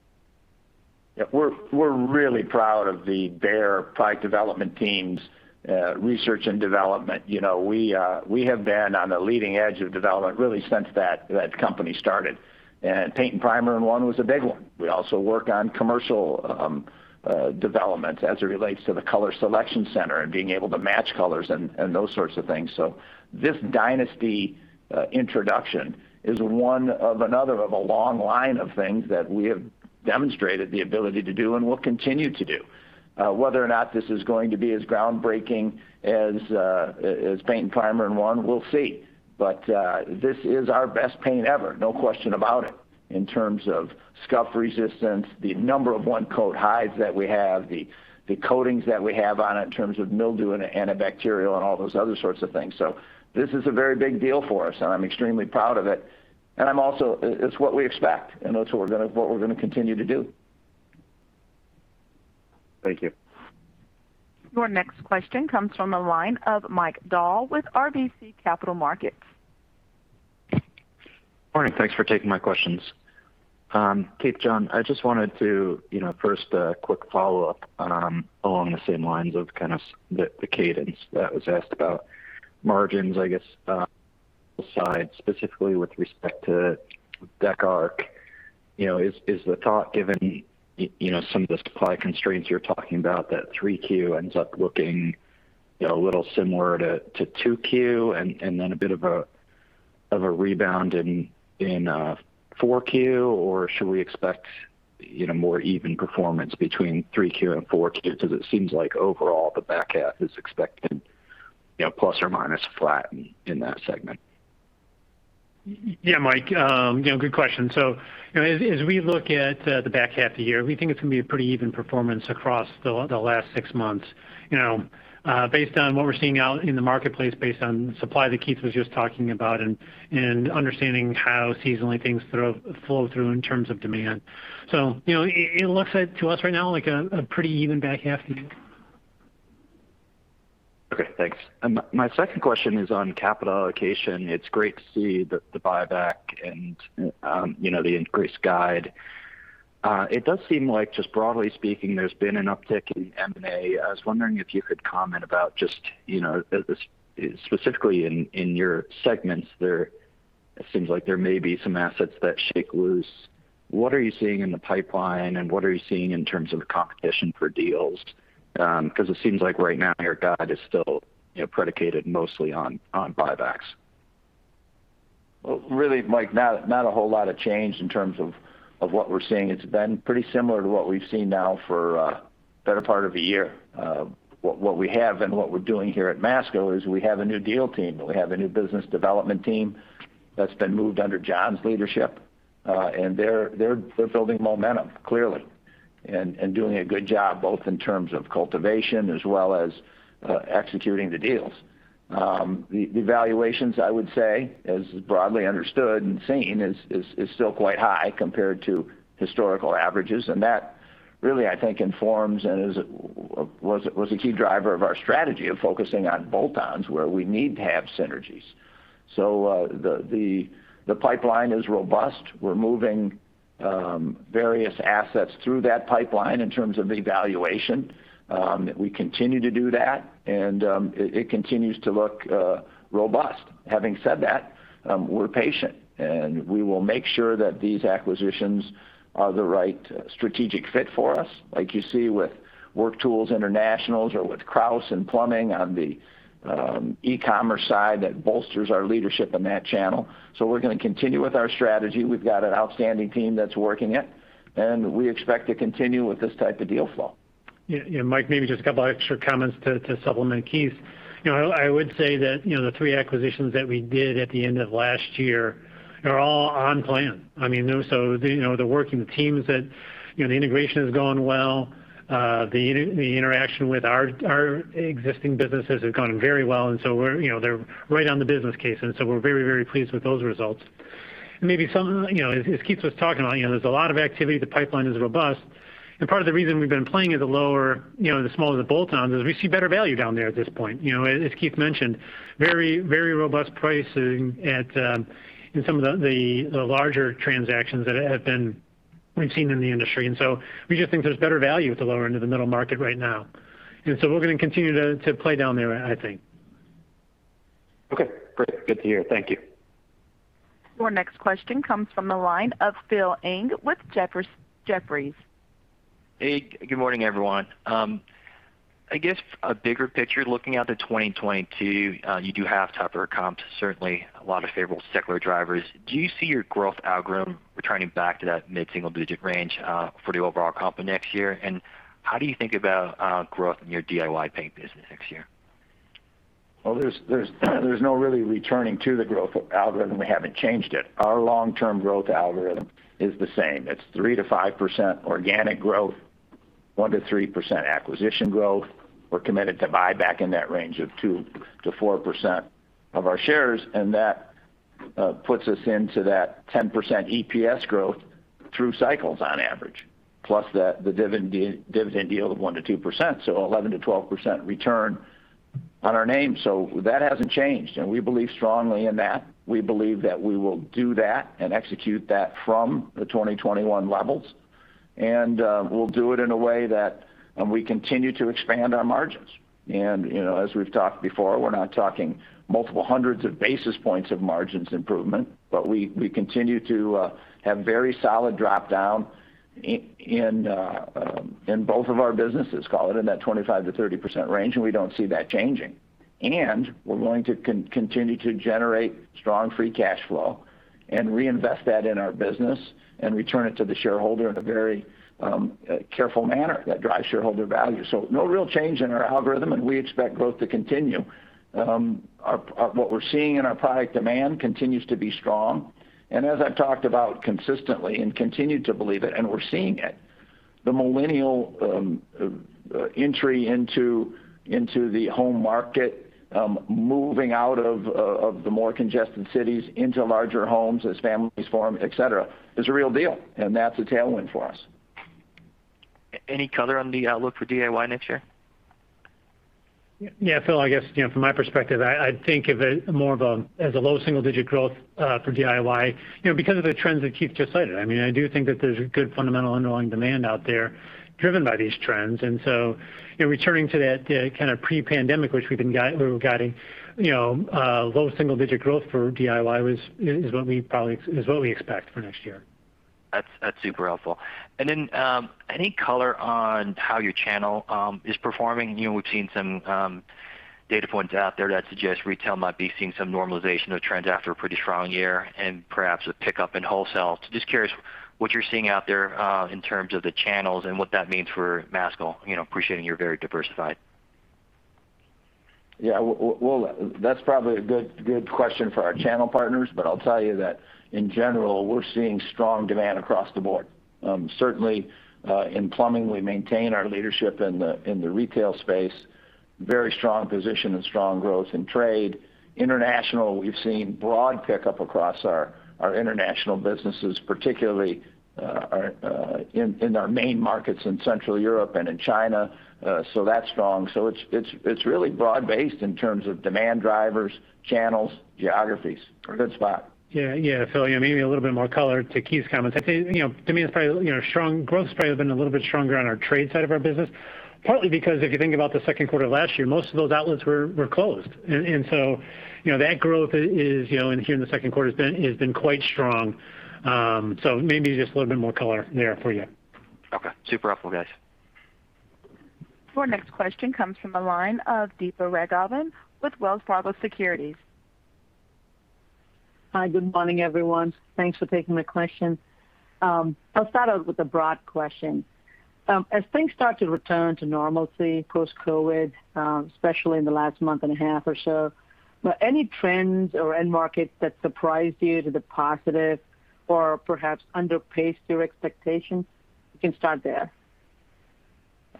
S3: Yeah. We're really proud of the Behr product development team's research and development. We have been on the leading edge of development really since that company started. Paint and primer in one was a big one. We also work on commercial development as it relates to the color selection center and being able to match colors and those sorts of things. This Dynasty introduction is one of another of a long line of things that we have demonstrated the ability to do and will continue to do. Whether or not this is going to be as groundbreaking as paint and primer in one, we'll see. This is our best paint ever, no question about it, in terms of scuff resistance, the number of one-coat hides that we have, the coatings that we have on it in terms of mildew and antibacterial and all those other sorts of things. This is a very big deal for us, and I'm extremely proud of it. It's what we expect, and that's what we're going to continue to do.
S7: Thank you.
S1: Your next question comes from the line of Mike Dahl with RBC Capital Markets.
S8: Morning. Thanks for taking my questions. Keith, John, I just wanted to first quick follow-up along the same lines of kind of the cadence that was asked about margins, I guess, side specifically with respect to Dec Arc. Is the thought given some of the supply constraints you're talking about that 3Q ends up looking a little similar to 2Q and then a bit of a rebound in 4Q, or should we expect more even performance between 3Q and 4Q? It seems like overall the back half is expecting plus or minus flat in that segment.
S4: Yeah, Mike. Good question. As we look at the back half of the year, we think it's going to be a pretty even performance across the last six months. Based on what we're seeing out in the marketplace, based on supply that Keith was just talking about and understanding how seasonally things flow through in terms of demand. It looks like to us right now like a pretty even back half of [the year].
S8: Okay, thanks. My second question is on capital allocation. It's great to see the buyback and the increased guide. It does seem like just broadly speaking, there's been an uptick in M&A. I was wondering if you could comment about just specifically in your segments there, it seems like there may be some assets that shake loose. What are you seeing in the pipeline, and what are you seeing in terms of competition for deals? Because it seems like right now your guide is still predicated mostly on buybacks.
S3: Well, really, Mike, not a whole lot of change in terms of what we're seeing. It's been pretty similar to what we've seen now for a better part of a year. What we have and what we're doing here at Masco is we have a new deal team. We have a new business development team that's been moved under John's leadership. They're building momentum, clearly, and doing a good job, both in terms of cultivation as well as executing the deals. The valuations, I would say, as broadly understood and seen, is still quite high compared to historical averages, and that really, I think, informs and was a key driver of our strategy of focusing on bolt-ons, where we need to have synergies. The pipeline is robust. We're moving various assets through that pipeline in terms of evaluation. We continue to do that, and it continues to look robust. Having said that, we're patient, and we will make sure that these acquisitions are the right strategic fit for us, like you see with Work Tools International or with Kraus in plumbing on the e-commerce side, that bolsters our leadership in that channel. We're going to continue with our strategy. We've got an outstanding team that's working it, and we expect to continue with this type of deal flow.
S4: Yeah, Mike, maybe just a couple of extra comments to supplement Keith. I would say that the three acquisitions that we did at the end of last year are all on plan. They're working, the teams, the integration has gone well. The interaction with our existing businesses have gone very well, they're right on the business case. We're very, very pleased with those results. As Keith was talking about, there's a lot of activity. The pipeline is robust, part of the reason we've been playing at the lower, the smaller the bolt-ons, is we see better value down there at this point. As Keith mentioned, very robust pricing in some of the larger transactions that we've seen in the industry. We just think there's better value at the lower end of the middle market right now. We're going to continue to play down there, I think.
S8: Okay, great. Good to hear. Thank you.
S1: Our next question comes from the line of Phil Ng with Jefferies.
S9: Hey, good morning, everyone. I guess a bigger picture looking out to 2022, you do have tougher comps, certainly a lot of favorable secular drivers. Do you see your growth algorithm returning back to that mid-single-digit range for the overall comp of next year? How do you think about growth in your DIY paint business next year?
S3: Well, there's no really returning to the growth algorithm. We haven't changed it. Our long-term growth algorithm is the same. It's 3%-5% organic growth, 1%-3% acquisition growth. We're committed to buy back in that range of 2%-4% of our shares, and that puts us into that 10% EPS growth through cycles on average, plus the dividend yield of 1%-2%, so 11%-12% return on our name. That hasn't changed, and we believe strongly in that. We believe that we will do that and execute that from the 2021 levels. We'll do it in a way that we continue to expand our margins. As we've talked before, we're not talking multiple hundreds of basis points of margins improvement, but we continue to have very solid drop down in both of our businesses, call it in that 25%-30% range, and we don't see that changing. We're going to continue to generate strong free cash flow and reinvest that in our business and return it to the shareholder in a very careful manner that drives shareholder value. No real change in our algorithm, and we expect growth to continue. What we're seeing in our product demand continues to be strong. As I've talked about consistently and continue to believe it, and we're seeing it, the millennial entry into the home market, moving out of the more congested cities into larger homes as families form, et cetera, is the real deal, and that's a tailwind for us.
S9: Any color on the outlook for DIY next year?
S4: Yeah, Phil, I guess from my perspective, I'd think of it more as a low single-digit growth for DIY because of the trends that Keith just cited. I do think that there's a good fundamental underlying demand out there driven by these trends. Returning to that kind of pre-pandemic, which we've been guiding, low single-digit growth for DIY is what we expect for next year.
S9: That's super helpful. Then any color on how your channel is performing? We've seen some data points out there that suggest retail might be seeing some normalization of trends after a pretty strong year and perhaps a pickup in wholesale. Just curious what you're seeing out there in terms of the channels and what that means for Masco, appreciating you're very diversified.
S3: Yeah. Well, that's probably a good question for our channel partners, but I'll tell you that in general, we're seeing strong demand across the board. Certainly, in plumbing, we maintain our leadership in the retail space, very strong position and strong growth in trade. International, we've seen broad pickup across our international businesses, particularly in our main markets in Central Europe and in China. That's strong. It's really broad-based in terms of demand drivers, channels, geographies. We're in a good spot.
S4: Yeah, Phil, maybe a little bit more color to Keith's comments. I'd say, to me, growth has probably been a little bit stronger on our trade side of our business, partly because if you think about the second quarter of last year, most of those outlets were closed. That growth here in the second quarter has been quite strong. Maybe just a little bit more color there for you.
S9: Okay. Super helpful, guys.
S1: Our next question comes from the line of Deepa Raghavan with Wells Fargo Securities.
S10: Hi, good morning, everyone. Thanks for taking my questions. I'll start out with a broad question. As things start to return to normalcy post-COVID, especially in the last month and a half or so, any trends or end markets that surprised you to the positive or perhaps underpaced your expectations? You can start there.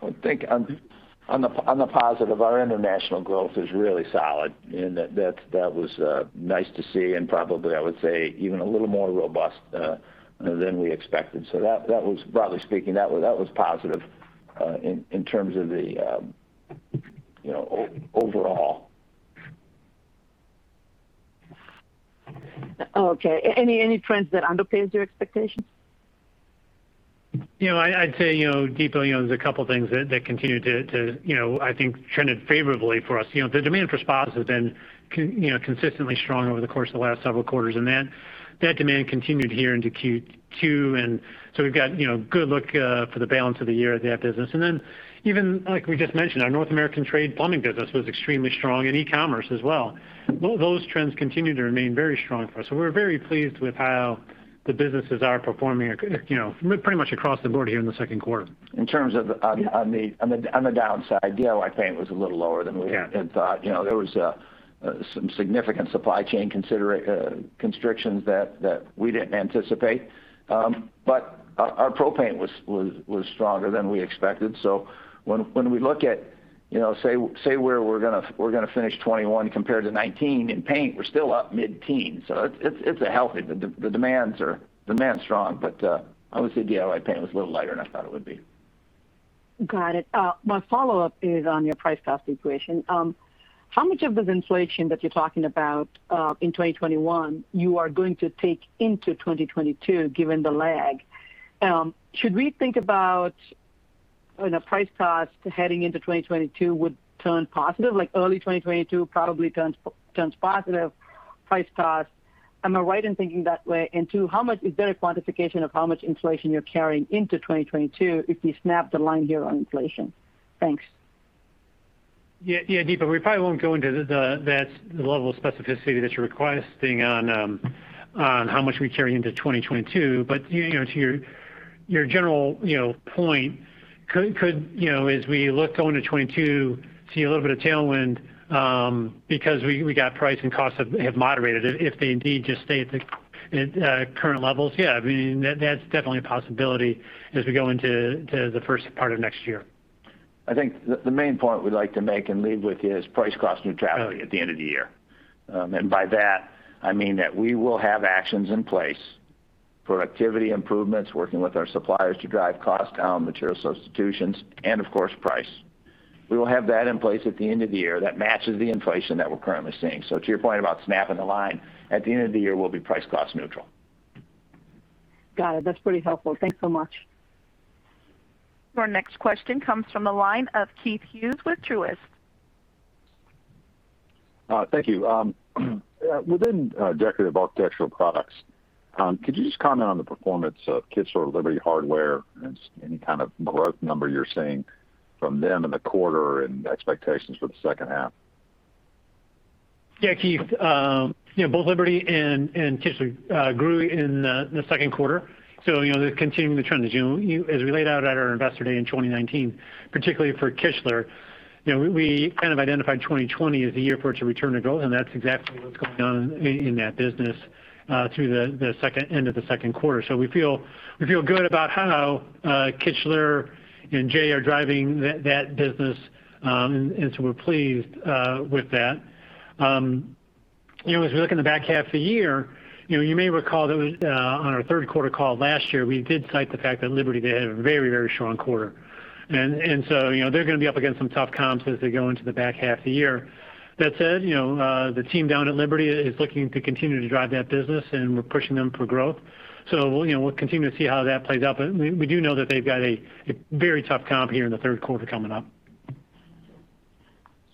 S3: I would think on the positive, our international growth is really solid, and that was nice to see and probably, I would say, even a little more robust than we expected. Broadly speaking, that was positive in terms of the overall.
S10: Okay. Any trends that underplays your expectations?
S4: I'd say, Deepa, there's a couple things that continue to, I think, trend favorably for us. The demand for spas has been consistently strong over the course of the last several quarters. That demand continued here into Q2. We've got a good look for the balance of the year at that business. Even like we just mentioned, our North American trade plumbing business was extremely strong in e-commerce as well. Those trends continue to remain very strong for us. We're very pleased with how the businesses are performing pretty much across the board here in the second quarter.
S3: In terms of on the downside, DIY paint was a little lower than we had thought. Yeah. There was some significant supply chain constrictions that we didn't anticipate. Our pro paint was stronger than we expected. When we look at, say, where we're going to finish 2021 compared to 2019 in paint, we're still up mid-teens. It's healthy. The demand's strong. I would say DIY paint was a little lighter than I thought it would be.
S10: Got it. My follow-up is on your price-cost equation. How much of this inflation that you're talking about in 2021 you are going to take into 2022, given the lag? Should we think about a price cost heading into 2022 would turn positive, like early 2022 probably turns positive price cost? Am I right in thinking that way? Two, is there a quantification of how much inflation you're carrying into 2022 if you snap the line here on inflation? Thanks.
S4: Yeah, Deepa, we probably won't go into that level of specificity that you're requesting on how much we carry into 2022. To your general point, could, as we look going to 2022, see a little bit of tailwind because we got price and costs have moderated if they indeed just stay at the current levels? Yeah. That's definitely a possibility as we go into the first part of next year.
S3: I think the main point we'd like to make and leave with is price cost neutrality at the end of the year. By that, I mean that we will have actions in place, productivity improvements, working with our suppliers to drive costs down, material substitutions, and of course, price. We will have that in place at the end of the year that matches the inflation that we're currently seeing. To your point about snapping the line, at the end of the year, we'll be price cost neutral.
S10: Got it. That's pretty helpful. Thanks so much.
S1: Our next question comes from the line of Keith Hughes with Truist.
S11: Thank you. Within Decorative Architectural Products, could you just comment on the performance of Kichler, Liberty Hardware, and any kind of growth number you're seeing from them in the quarter and expectations for the second half?
S4: Yeah, Keith. Both Liberty and Kichler grew in the second quarter. They're continuing the trend as we laid out at our Investor Day in 2019, particularly for Kichler. We kind of identified 2020 as the year for it to return to growth, and that's exactly what's going on in that business through the end of the second quarter. We feel good about how Kichler and Hinkley are driving that business, we're pleased with that. As we look in the back half of the year, you may recall on our third quarter call last year, we did cite the fact that Liberty did have a very strong quarter. They're going to be up against some tough comps as they go into the back half of the year. That said, the team down at Liberty Hardware is looking to continue to drive that business, and we're pushing them for growth. We'll continue to see how that plays out. We do know that they've got a very tough comp here in the third quarter coming up.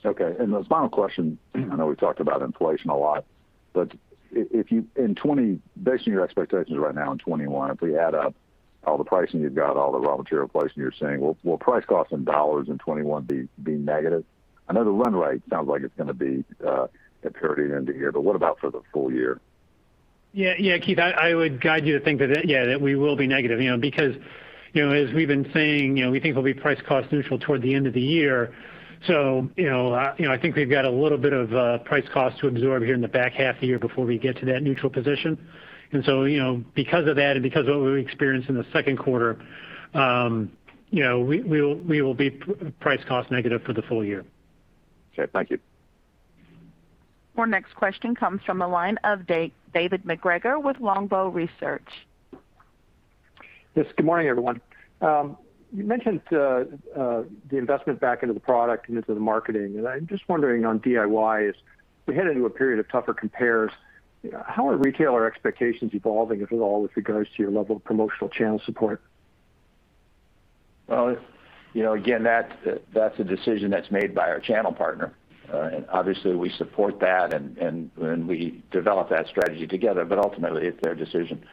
S11: Okay. The final question, I know we talked about inflation a lot, but based on your expectations right now in 2021, if we add up all the pricing you've got, all the raw material pricing you're seeing, will price costs in dollars in 2021 be negative? I know the run rate sounds like it's going to be a parity end of year, but what about for the full year?
S4: Keith, I would guide you to think that, yeah, that we will be negative. As we've been saying, we think we'll be price cost neutral toward the end of the year. I think we've got a little bit of price cost to absorb here in the back half of the year before we get to that neutral position. Because of that and because of what we experienced in the second quarter, we will be price cost negative for the full year.
S11: Okay. Thank you.
S1: Our next question comes from the line of David MacGregor with Longbow Research.
S12: Yes. Good morning, everyone. You mentioned the investment back into the product and into the marketing. I'm just wondering on DIY, as we head into a period of tougher compares, how are retailer expectations evolving, if at all, with regards to your level of promotional channel support?
S3: Well, again, that's a decision that's made by our channel partner. Obviously, we support that and we develop that strategy together, but ultimately, it's their decision.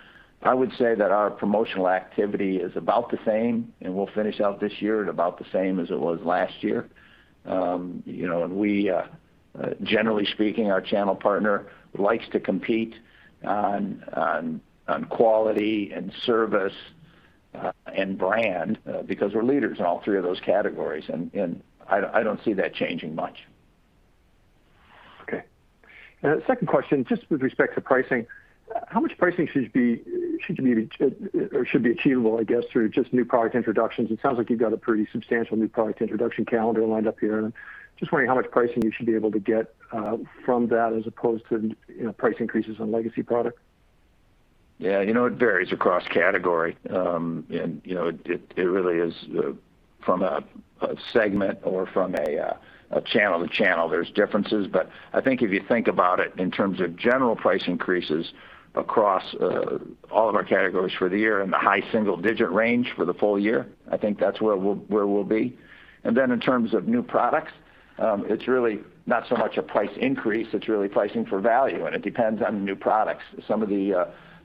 S3: I would say that our promotional activity is about the same, and we'll finish out this year at about the same as it was last year. Generally speaking, our channel partner likes to compete on quality and service and brand because we're leaders in all three of those categories, and I don't see that changing much.
S12: Okay. A second question, just with respect to pricing, how much pricing should be achievable, I guess, through just new product introductions? It sounds like you've got a pretty substantial new product introduction calendar lined up here, and I'm just wondering how much pricing you should be able to get from that as opposed to price increases on legacy product?
S3: Yeah. It varies across category. It really is from a segment or from a channel to channel, there's differences. I think if you think about it in terms of general price increases across all of our categories for the year, in the high single-digit range for the full year, I think that's where we'll be. In terms of new products, it's really not so much a price increase, it's really pricing for value, and it depends on the new products.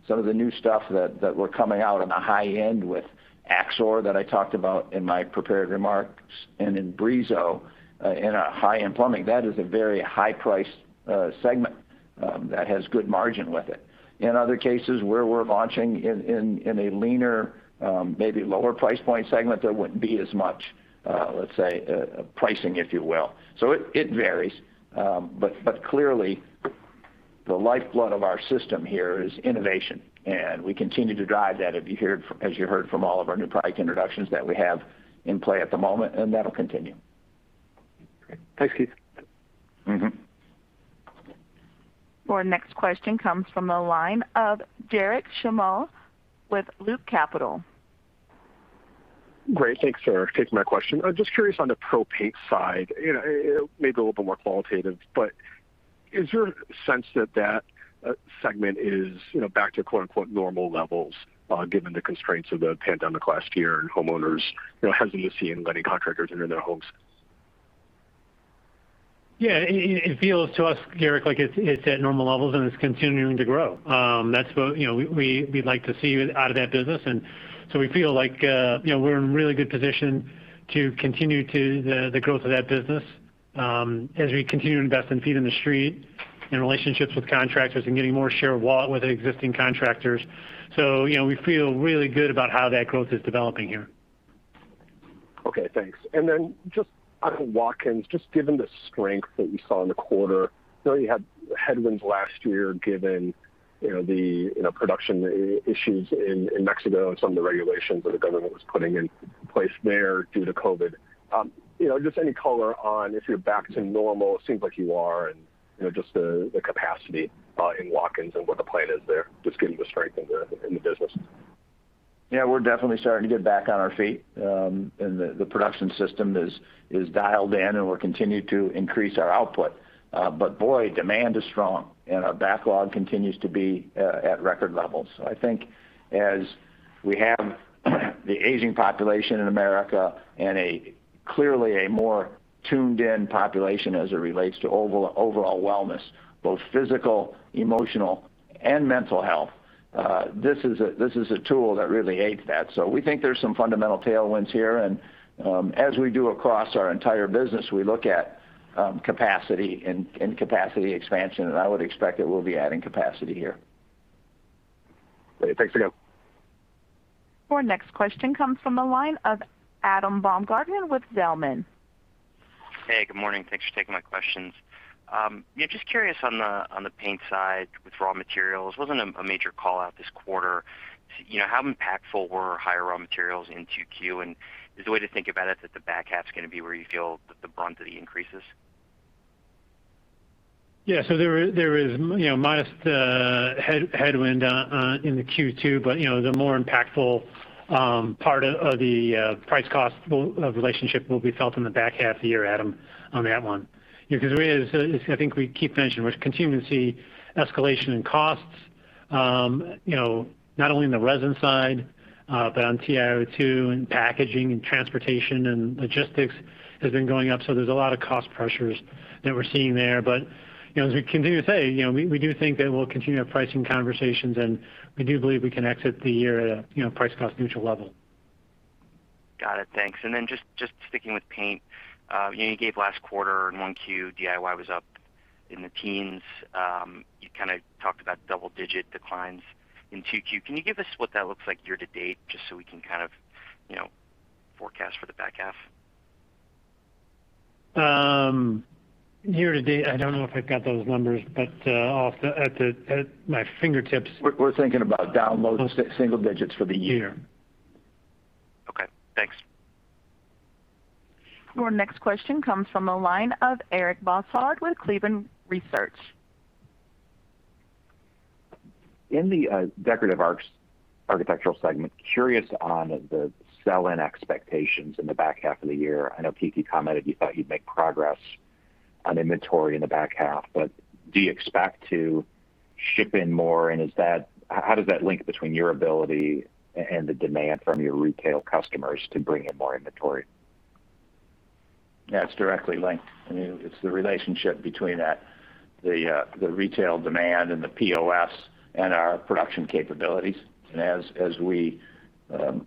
S3: Some of the new stuff that were coming out in the high end with AXOR, that I talked about in my prepared remarks, and in Brizo, in our high-end plumbing, that is a very high-priced segment that has good margin with it. In other cases, where we're launching in a leaner, maybe lower price point segment, there wouldn't be as much, let's say, pricing, if you will. It varies. Clearly, the lifeblood of our system here is innovation, and we continue to drive that as you heard from all of our new product introductions that we have in play at the moment, and that'll continue.
S12: Great. Thanks, Keith.
S1: Our next question comes from the line of Garik Shmois with Loop Capital.
S13: Great. Thanks for taking my question. I'm just curious on the pro paint side. Maybe a little bit more qualitative, but is there a sense that that segment is back to quote unquote "normal levels" given the constraints of the pandemic last year and homeowners hesitant to letting contractors into their homes?
S4: Yeah. It feels to us, Garik, like it's at normal levels, and it's continuing to grow. That's what we'd like to see out of that business, and so we feel like we're in a really good position to continue to the growth of that business, as we continue to invest in feet in the street and relationships with contractors and getting more share of wallet with existing contractors. We feel really good about how that growth is developing here.
S13: Okay, thanks. Just on Watkins, just given the strength that we saw in the quarter, you had headwinds last year given the production issues in Mexico and some of the regulations that the government was putting in place there due to COVID. Just any color on if you're back to normal. It seems like you are, just the capacity in Watkins and what the plan is there, just given the strength in the business.
S3: Yeah, we're definitely starting to get back on our feet, and the production system is dialed in, and we'll continue to increase our output. Boy, demand is strong, and our backlog continues to be at record levels. I think as we have the aging population in America and clearly a more tuned-in population as it relates to overall wellness, both physical, emotional, and mental health, this is a tool that really aids that. We think there's some fundamental tailwinds here, and as we do across our entire business, we look at capacity and capacity expansion, and I would expect that we'll be adding capacity here.
S13: Great. Thanks, again.
S1: Our next question comes from the line of Adam Baumgarten with Zelman.
S14: Hey, good morning. Thanks for taking my questions. Yeah, just curious on the paint side with raw materials. It wasn't a major call-out this quarter. How impactful were higher raw materials in 2Q, and is the way to think about it that the back half's going to be where you feel the brunt of the increases?
S4: Yeah. There is modest headwind in the Q2, but the more impactful part of the price-cost relationship will be felt in the back half of the year, Adam, on that one. We, I think we keep mentioning, we're continuing to see escalation in costs, not only in the resin side, but on TiO2 and packaging and transportation and logistics has been going up. There's a lot of cost pressures that we're seeing there. As we continue to say, we do think that we'll continue our pricing conversations, and we do believe we can exit the year at a price-cost neutral level.
S14: Got it. Thanks. Just sticking with paint. You gave last quarter in 1Q, DIY was up in the teens. You kind of talked about double-digit declines in 2Q. Can you give us what that looks like year-to-date, just so we can kind of forecast for the back half?
S4: Year to date, I don't know if I've got those numbers at my fingertips.
S3: We're thinking about down low single digits for the year.
S14: Okay, thanks.
S1: Our next question comes from the line of Eric Bosshard with Cleveland Research.
S15: In the decorative architectural segment, curious on the sell-in expectations in the back half of the year. I know Keith commented you thought you'd make progress on inventory in the back half. Do you expect to ship in more, and how does that link between your ability and the demand from your retail customers to bring in more inventory?
S3: Yeah, it's directly linked. I mean, it's the relationship between the retail demand and the POS and our production capabilities. As we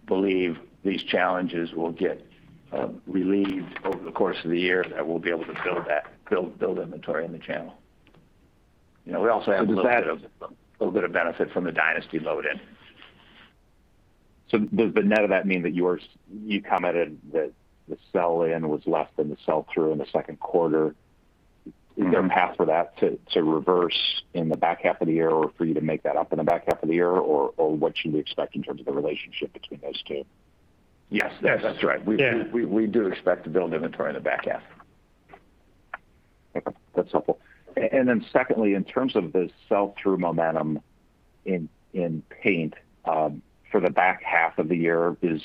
S3: believe these challenges will get relieved over the course of the year, that we'll be able to build inventory in the channel.
S15: So does that.
S3: Of benefit from the Dynasty load in.
S15: Does the net of that mean that you commented that the sell in was less than the sell through in the second quarter? Is there a path for that to reverse in the back half of the year, or for you to make that up in the back half of the year, or what should we expect in terms of the relationship between those two?
S3: Yes.
S4: Yes.
S3: That's right.
S4: Yeah.
S3: We do expect to build inventory in the back half.
S15: That's helpful. Secondly, in terms of the sell-through momentum in paint for the back half of the year, is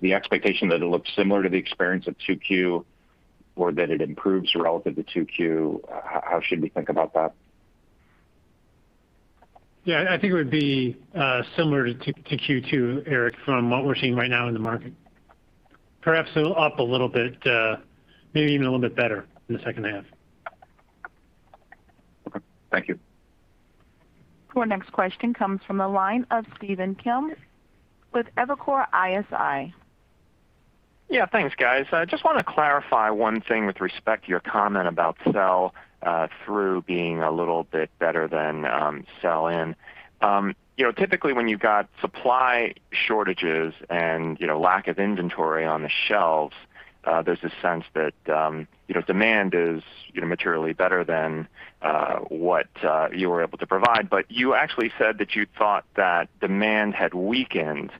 S15: the expectation that it looks similar to the experience of 2Q, or that it improves relative to 2Q? How should we think about that?
S3: Yeah, I think it would be similar to Q2, Eric, from what we're seeing right now in the market. Perhaps up a little bit, maybe even a little bit better in the second half.
S15: Okay. Thank you.
S1: Our next question comes from the line of Stephen Kim with Evercore ISI.
S16: Yeah, thanks guys. I just want to clarify one thing with respect to your comment about sell through being a little bit better than sell in. Typically, when you've got supply shortages and lack of inventory on the shelves, there's this sense that demand is materially better than what you were able to provide. You actually said that you thought that demand had weakened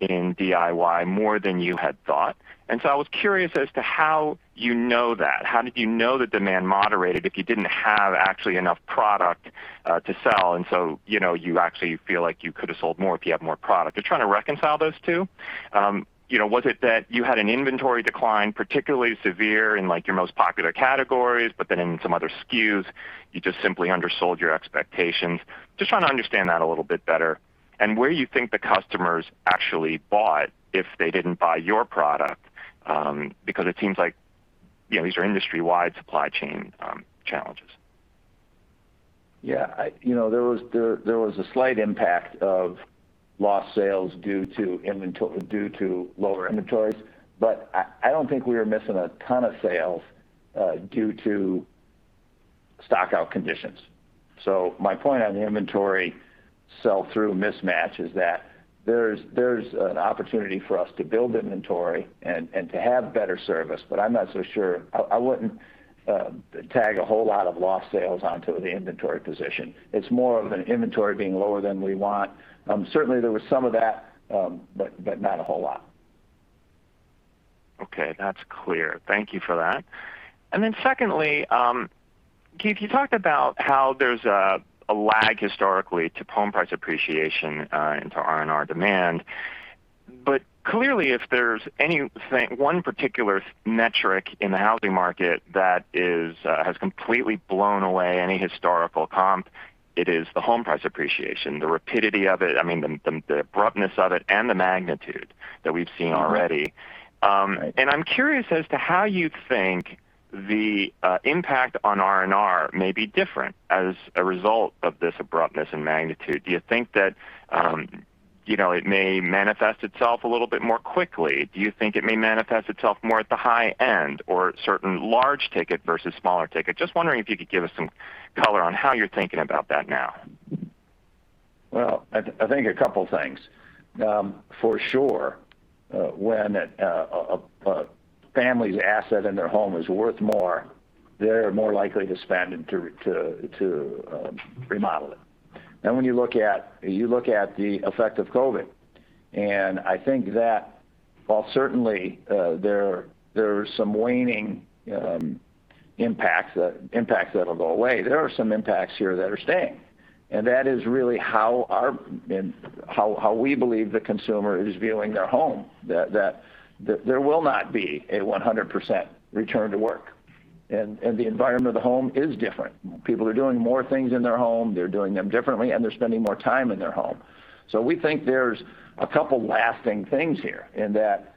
S16: in DIY more than you had thought. I was curious as to how you know that. How did you know that demand moderated if you didn't have actually enough product to sell, and so you actually feel like you could have sold more if you had more product? Just trying to reconcile those two. Was it that you had an inventory decline particularly severe in your most popular categories, but then in some other SKUs, you just simply undersold your expectations? Just trying to understand that a little bit better and where you think the customers actually bought if they didn't buy your product, because it seems like these are industry-wide supply chain challenges.
S3: Yeah. There was a slight impact of lost sales due to lower inventories, but I don't think we were missing a ton of sales due to stock-out conditions. My point on the inventory sell-through mismatch is that there's an opportunity for us to build inventory and to have better service. I'm not so sure. I wouldn't tag a whole lot of lost sales onto the inventory position. It's more of an inventory being lower than we want. Certainly there was some of that, but not a whole lot.
S16: Okay. That's clear. Thank you for that. Secondly, Keith, you talked about how there's a lag historically to home price appreciation into R&R demand. Clearly, if there's one particular metric in the housing market that has completely blown away any historical comp, it is the home price appreciation, the rapidity of it, the abruptness of it, and the magnitude that we've seen already.
S3: Mm-hmm. Right.
S16: I'm curious as to how you think the impact on R&R may be different as a result of this abruptness and magnitude. Do you think that it may manifest itself a little bit more quickly? Do you think it may manifest itself more at the high end or certain large ticket versus smaller ticket? Just wondering if you could give us some color on how you're thinking about that now.
S3: Well, I think a couple things. For sure, when a family's asset in their home is worth more, they're more likely to spend and to remodel it. You look at the effect of COVID, and I think that while certainly there are some waning impacts that'll go away, there are some impacts here that are staying. That is really how we believe the consumer is viewing their home, that there will not be a 100% return to work. The environment of the home is different. People are doing more things in their home, they're doing them differently, and they're spending more time in their home. We think there's a couple lasting things here, and that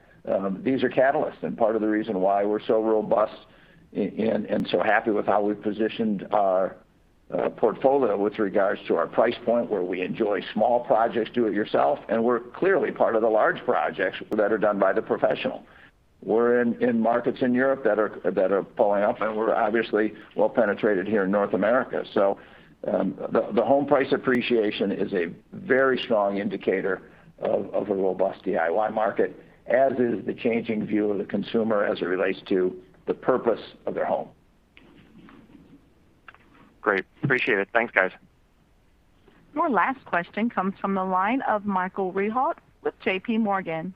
S3: these are catalysts and part of the reason why we're so robust and so happy with how we've positioned our portfolio with regards to our price point, where we enjoy small projects, do it yourself, and we're clearly part of the large projects that are done by the professional. We're in markets in Europe that are pulling up. We're obviously well-penetrated here in North America. The home price appreciation is a very strong indicator of a robust DIY market, as is the changing view of the consumer as it relates to the purpose of their home.
S16: Great. Appreciate it. Thanks, guys.
S1: Our last question comes from the line of Michael Rehaut with JPMorgan.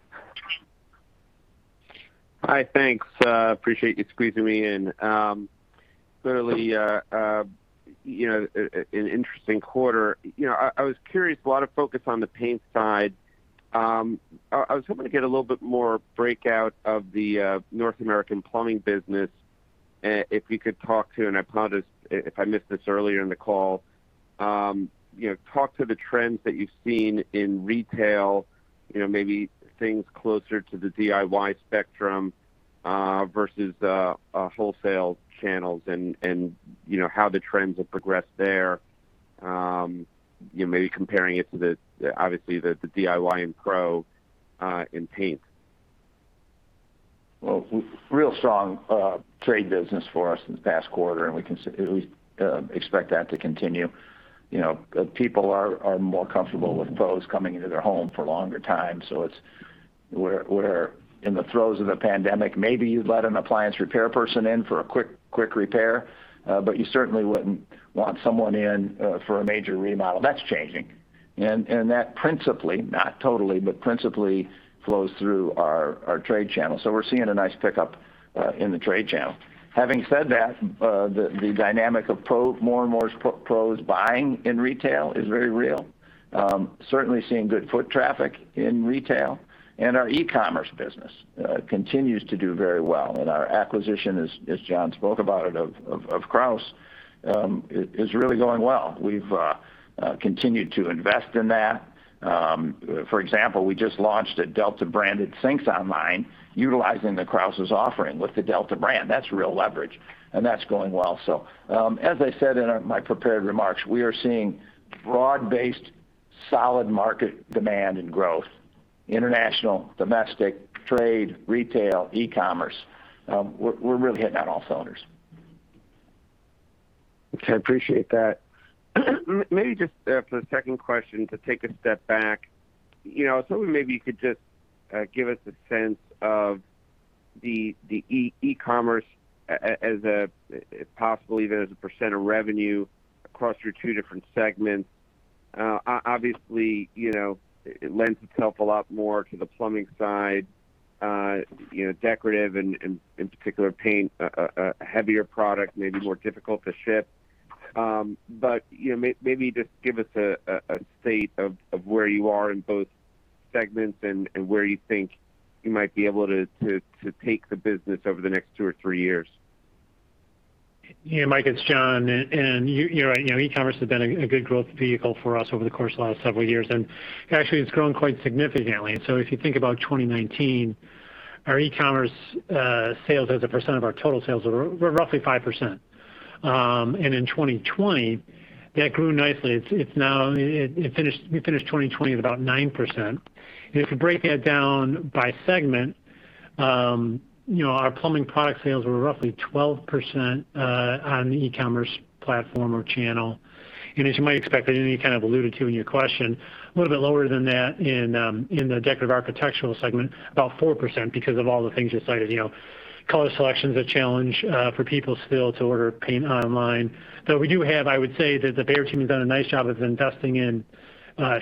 S17: Hi, thanks. Appreciate you squeezing me in. Clearly, an interesting quarter. I was curious, a lot of focus on the paint side. I was hoping to get a little bit more breakout of the North American plumbing business, if you could talk to, and apologize if I missed this earlier in the call. Talk to the trends that you've seen in retail, maybe things closer to the DIY spectrum versus wholesale channels and how the trends have progressed there. Maybe comparing it to the, obviously, the DIY and pro in paint.
S3: Well, real strong trade business for us this past quarter, and we expect that to continue. People are more comfortable with pros coming into their home for longer times. Where in the throes of the pandemic, maybe you'd let an appliance repair person in for a quick repair, but you certainly wouldn't want someone in for a major remodel. That's changing. That principally, not totally, but principally flows through our trade channel. We're seeing a nice pickup in the trade channel. Having said that, the dynamic of more and more pros buying in retail is very real. Certainly seeing good foot traffic in retail, and our e-commerce business continues to do very well. Our acquisition, as John spoke about it, of Kraus, is really going well. We've continued to invest in that. For example, we just launched a Delta-branded sinks online utilizing the Kraus' offering with the Delta brand. That's real leverage, and that's going well. As I said in my prepared remarks, we are seeing broad-based, solid market demand and growth, international, domestic, trade, retail, e-commerce. We're really hitting on all cylinders.
S17: Okay. I appreciate that. Maybe just for the second question, to take a step back, maybe you could just give us a sense of the e-commerce, possibly even as a percent of revenue across your two different segments. Obviously, it lends itself a lot more to the plumbing side, decorative and in particular paint, a heavier product, maybe more difficult to ship. Maybe just give us a state of where you are in both segments and where you think you might be able to take the business over the next two or three years.
S4: Yeah, Mike, it's John. You're right. E-commerce has been a good growth vehicle for us over the course of the last several years. Actually, it's grown quite significantly. If you think about 2019, our e-commerce sales as a percent of our total sales were roughly 5%. In 2020, that grew nicely. We finished 2020 at about 9%. If you break that down by segment, our plumbing product sales were roughly 12% on the e-commerce platform or channel. As you might expect, and you kind of alluded to in your question, a little bit lower than that in the decorative architectural segment, about 4%, because of all the things you cited. Color selection's a challenge for people still to order paint online. Though we do have, I would say that the Behr team has done a nice job of investing in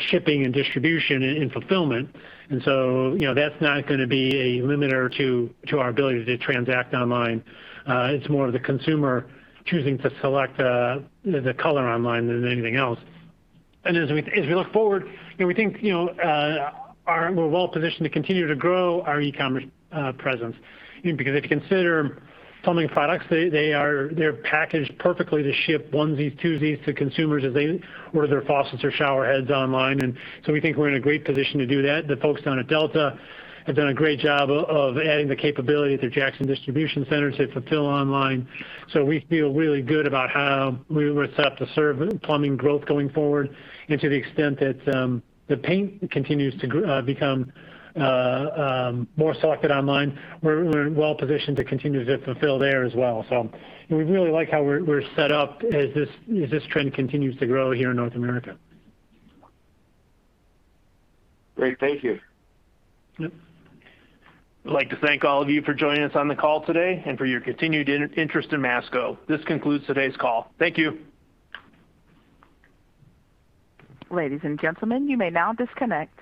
S4: shipping and distribution and fulfillment. That's not going to be a limiter to our ability to transact online. It's more of the consumer choosing to select the color online than anything else. As we look forward, we're well-positioned to continue to grow our e-commerce presence. Because if you consider plumbing products, they're packaged perfectly to ship onesies, twosies to consumers as they order their faucets or shower heads online. We think we're in a great position to do that. The folks down at Delta have done a great job of adding the capability through Jackson distribution centers to fulfill online. We feel really good about how we were set up to serve plumbing growth going forward. To the extent that the paint continues to become more sought online, we're well-positioned to continue to fulfill there as well. We really like how we're set up as this trend continues to grow here in North America.
S17: Great. Thank you.
S4: Yep.
S3: I'd like to thank all of you for joining us on the call today and for your continued interest in Masco. This concludes today's call. Thank you.
S1: Ladies and gentlemen, you may now disconnect.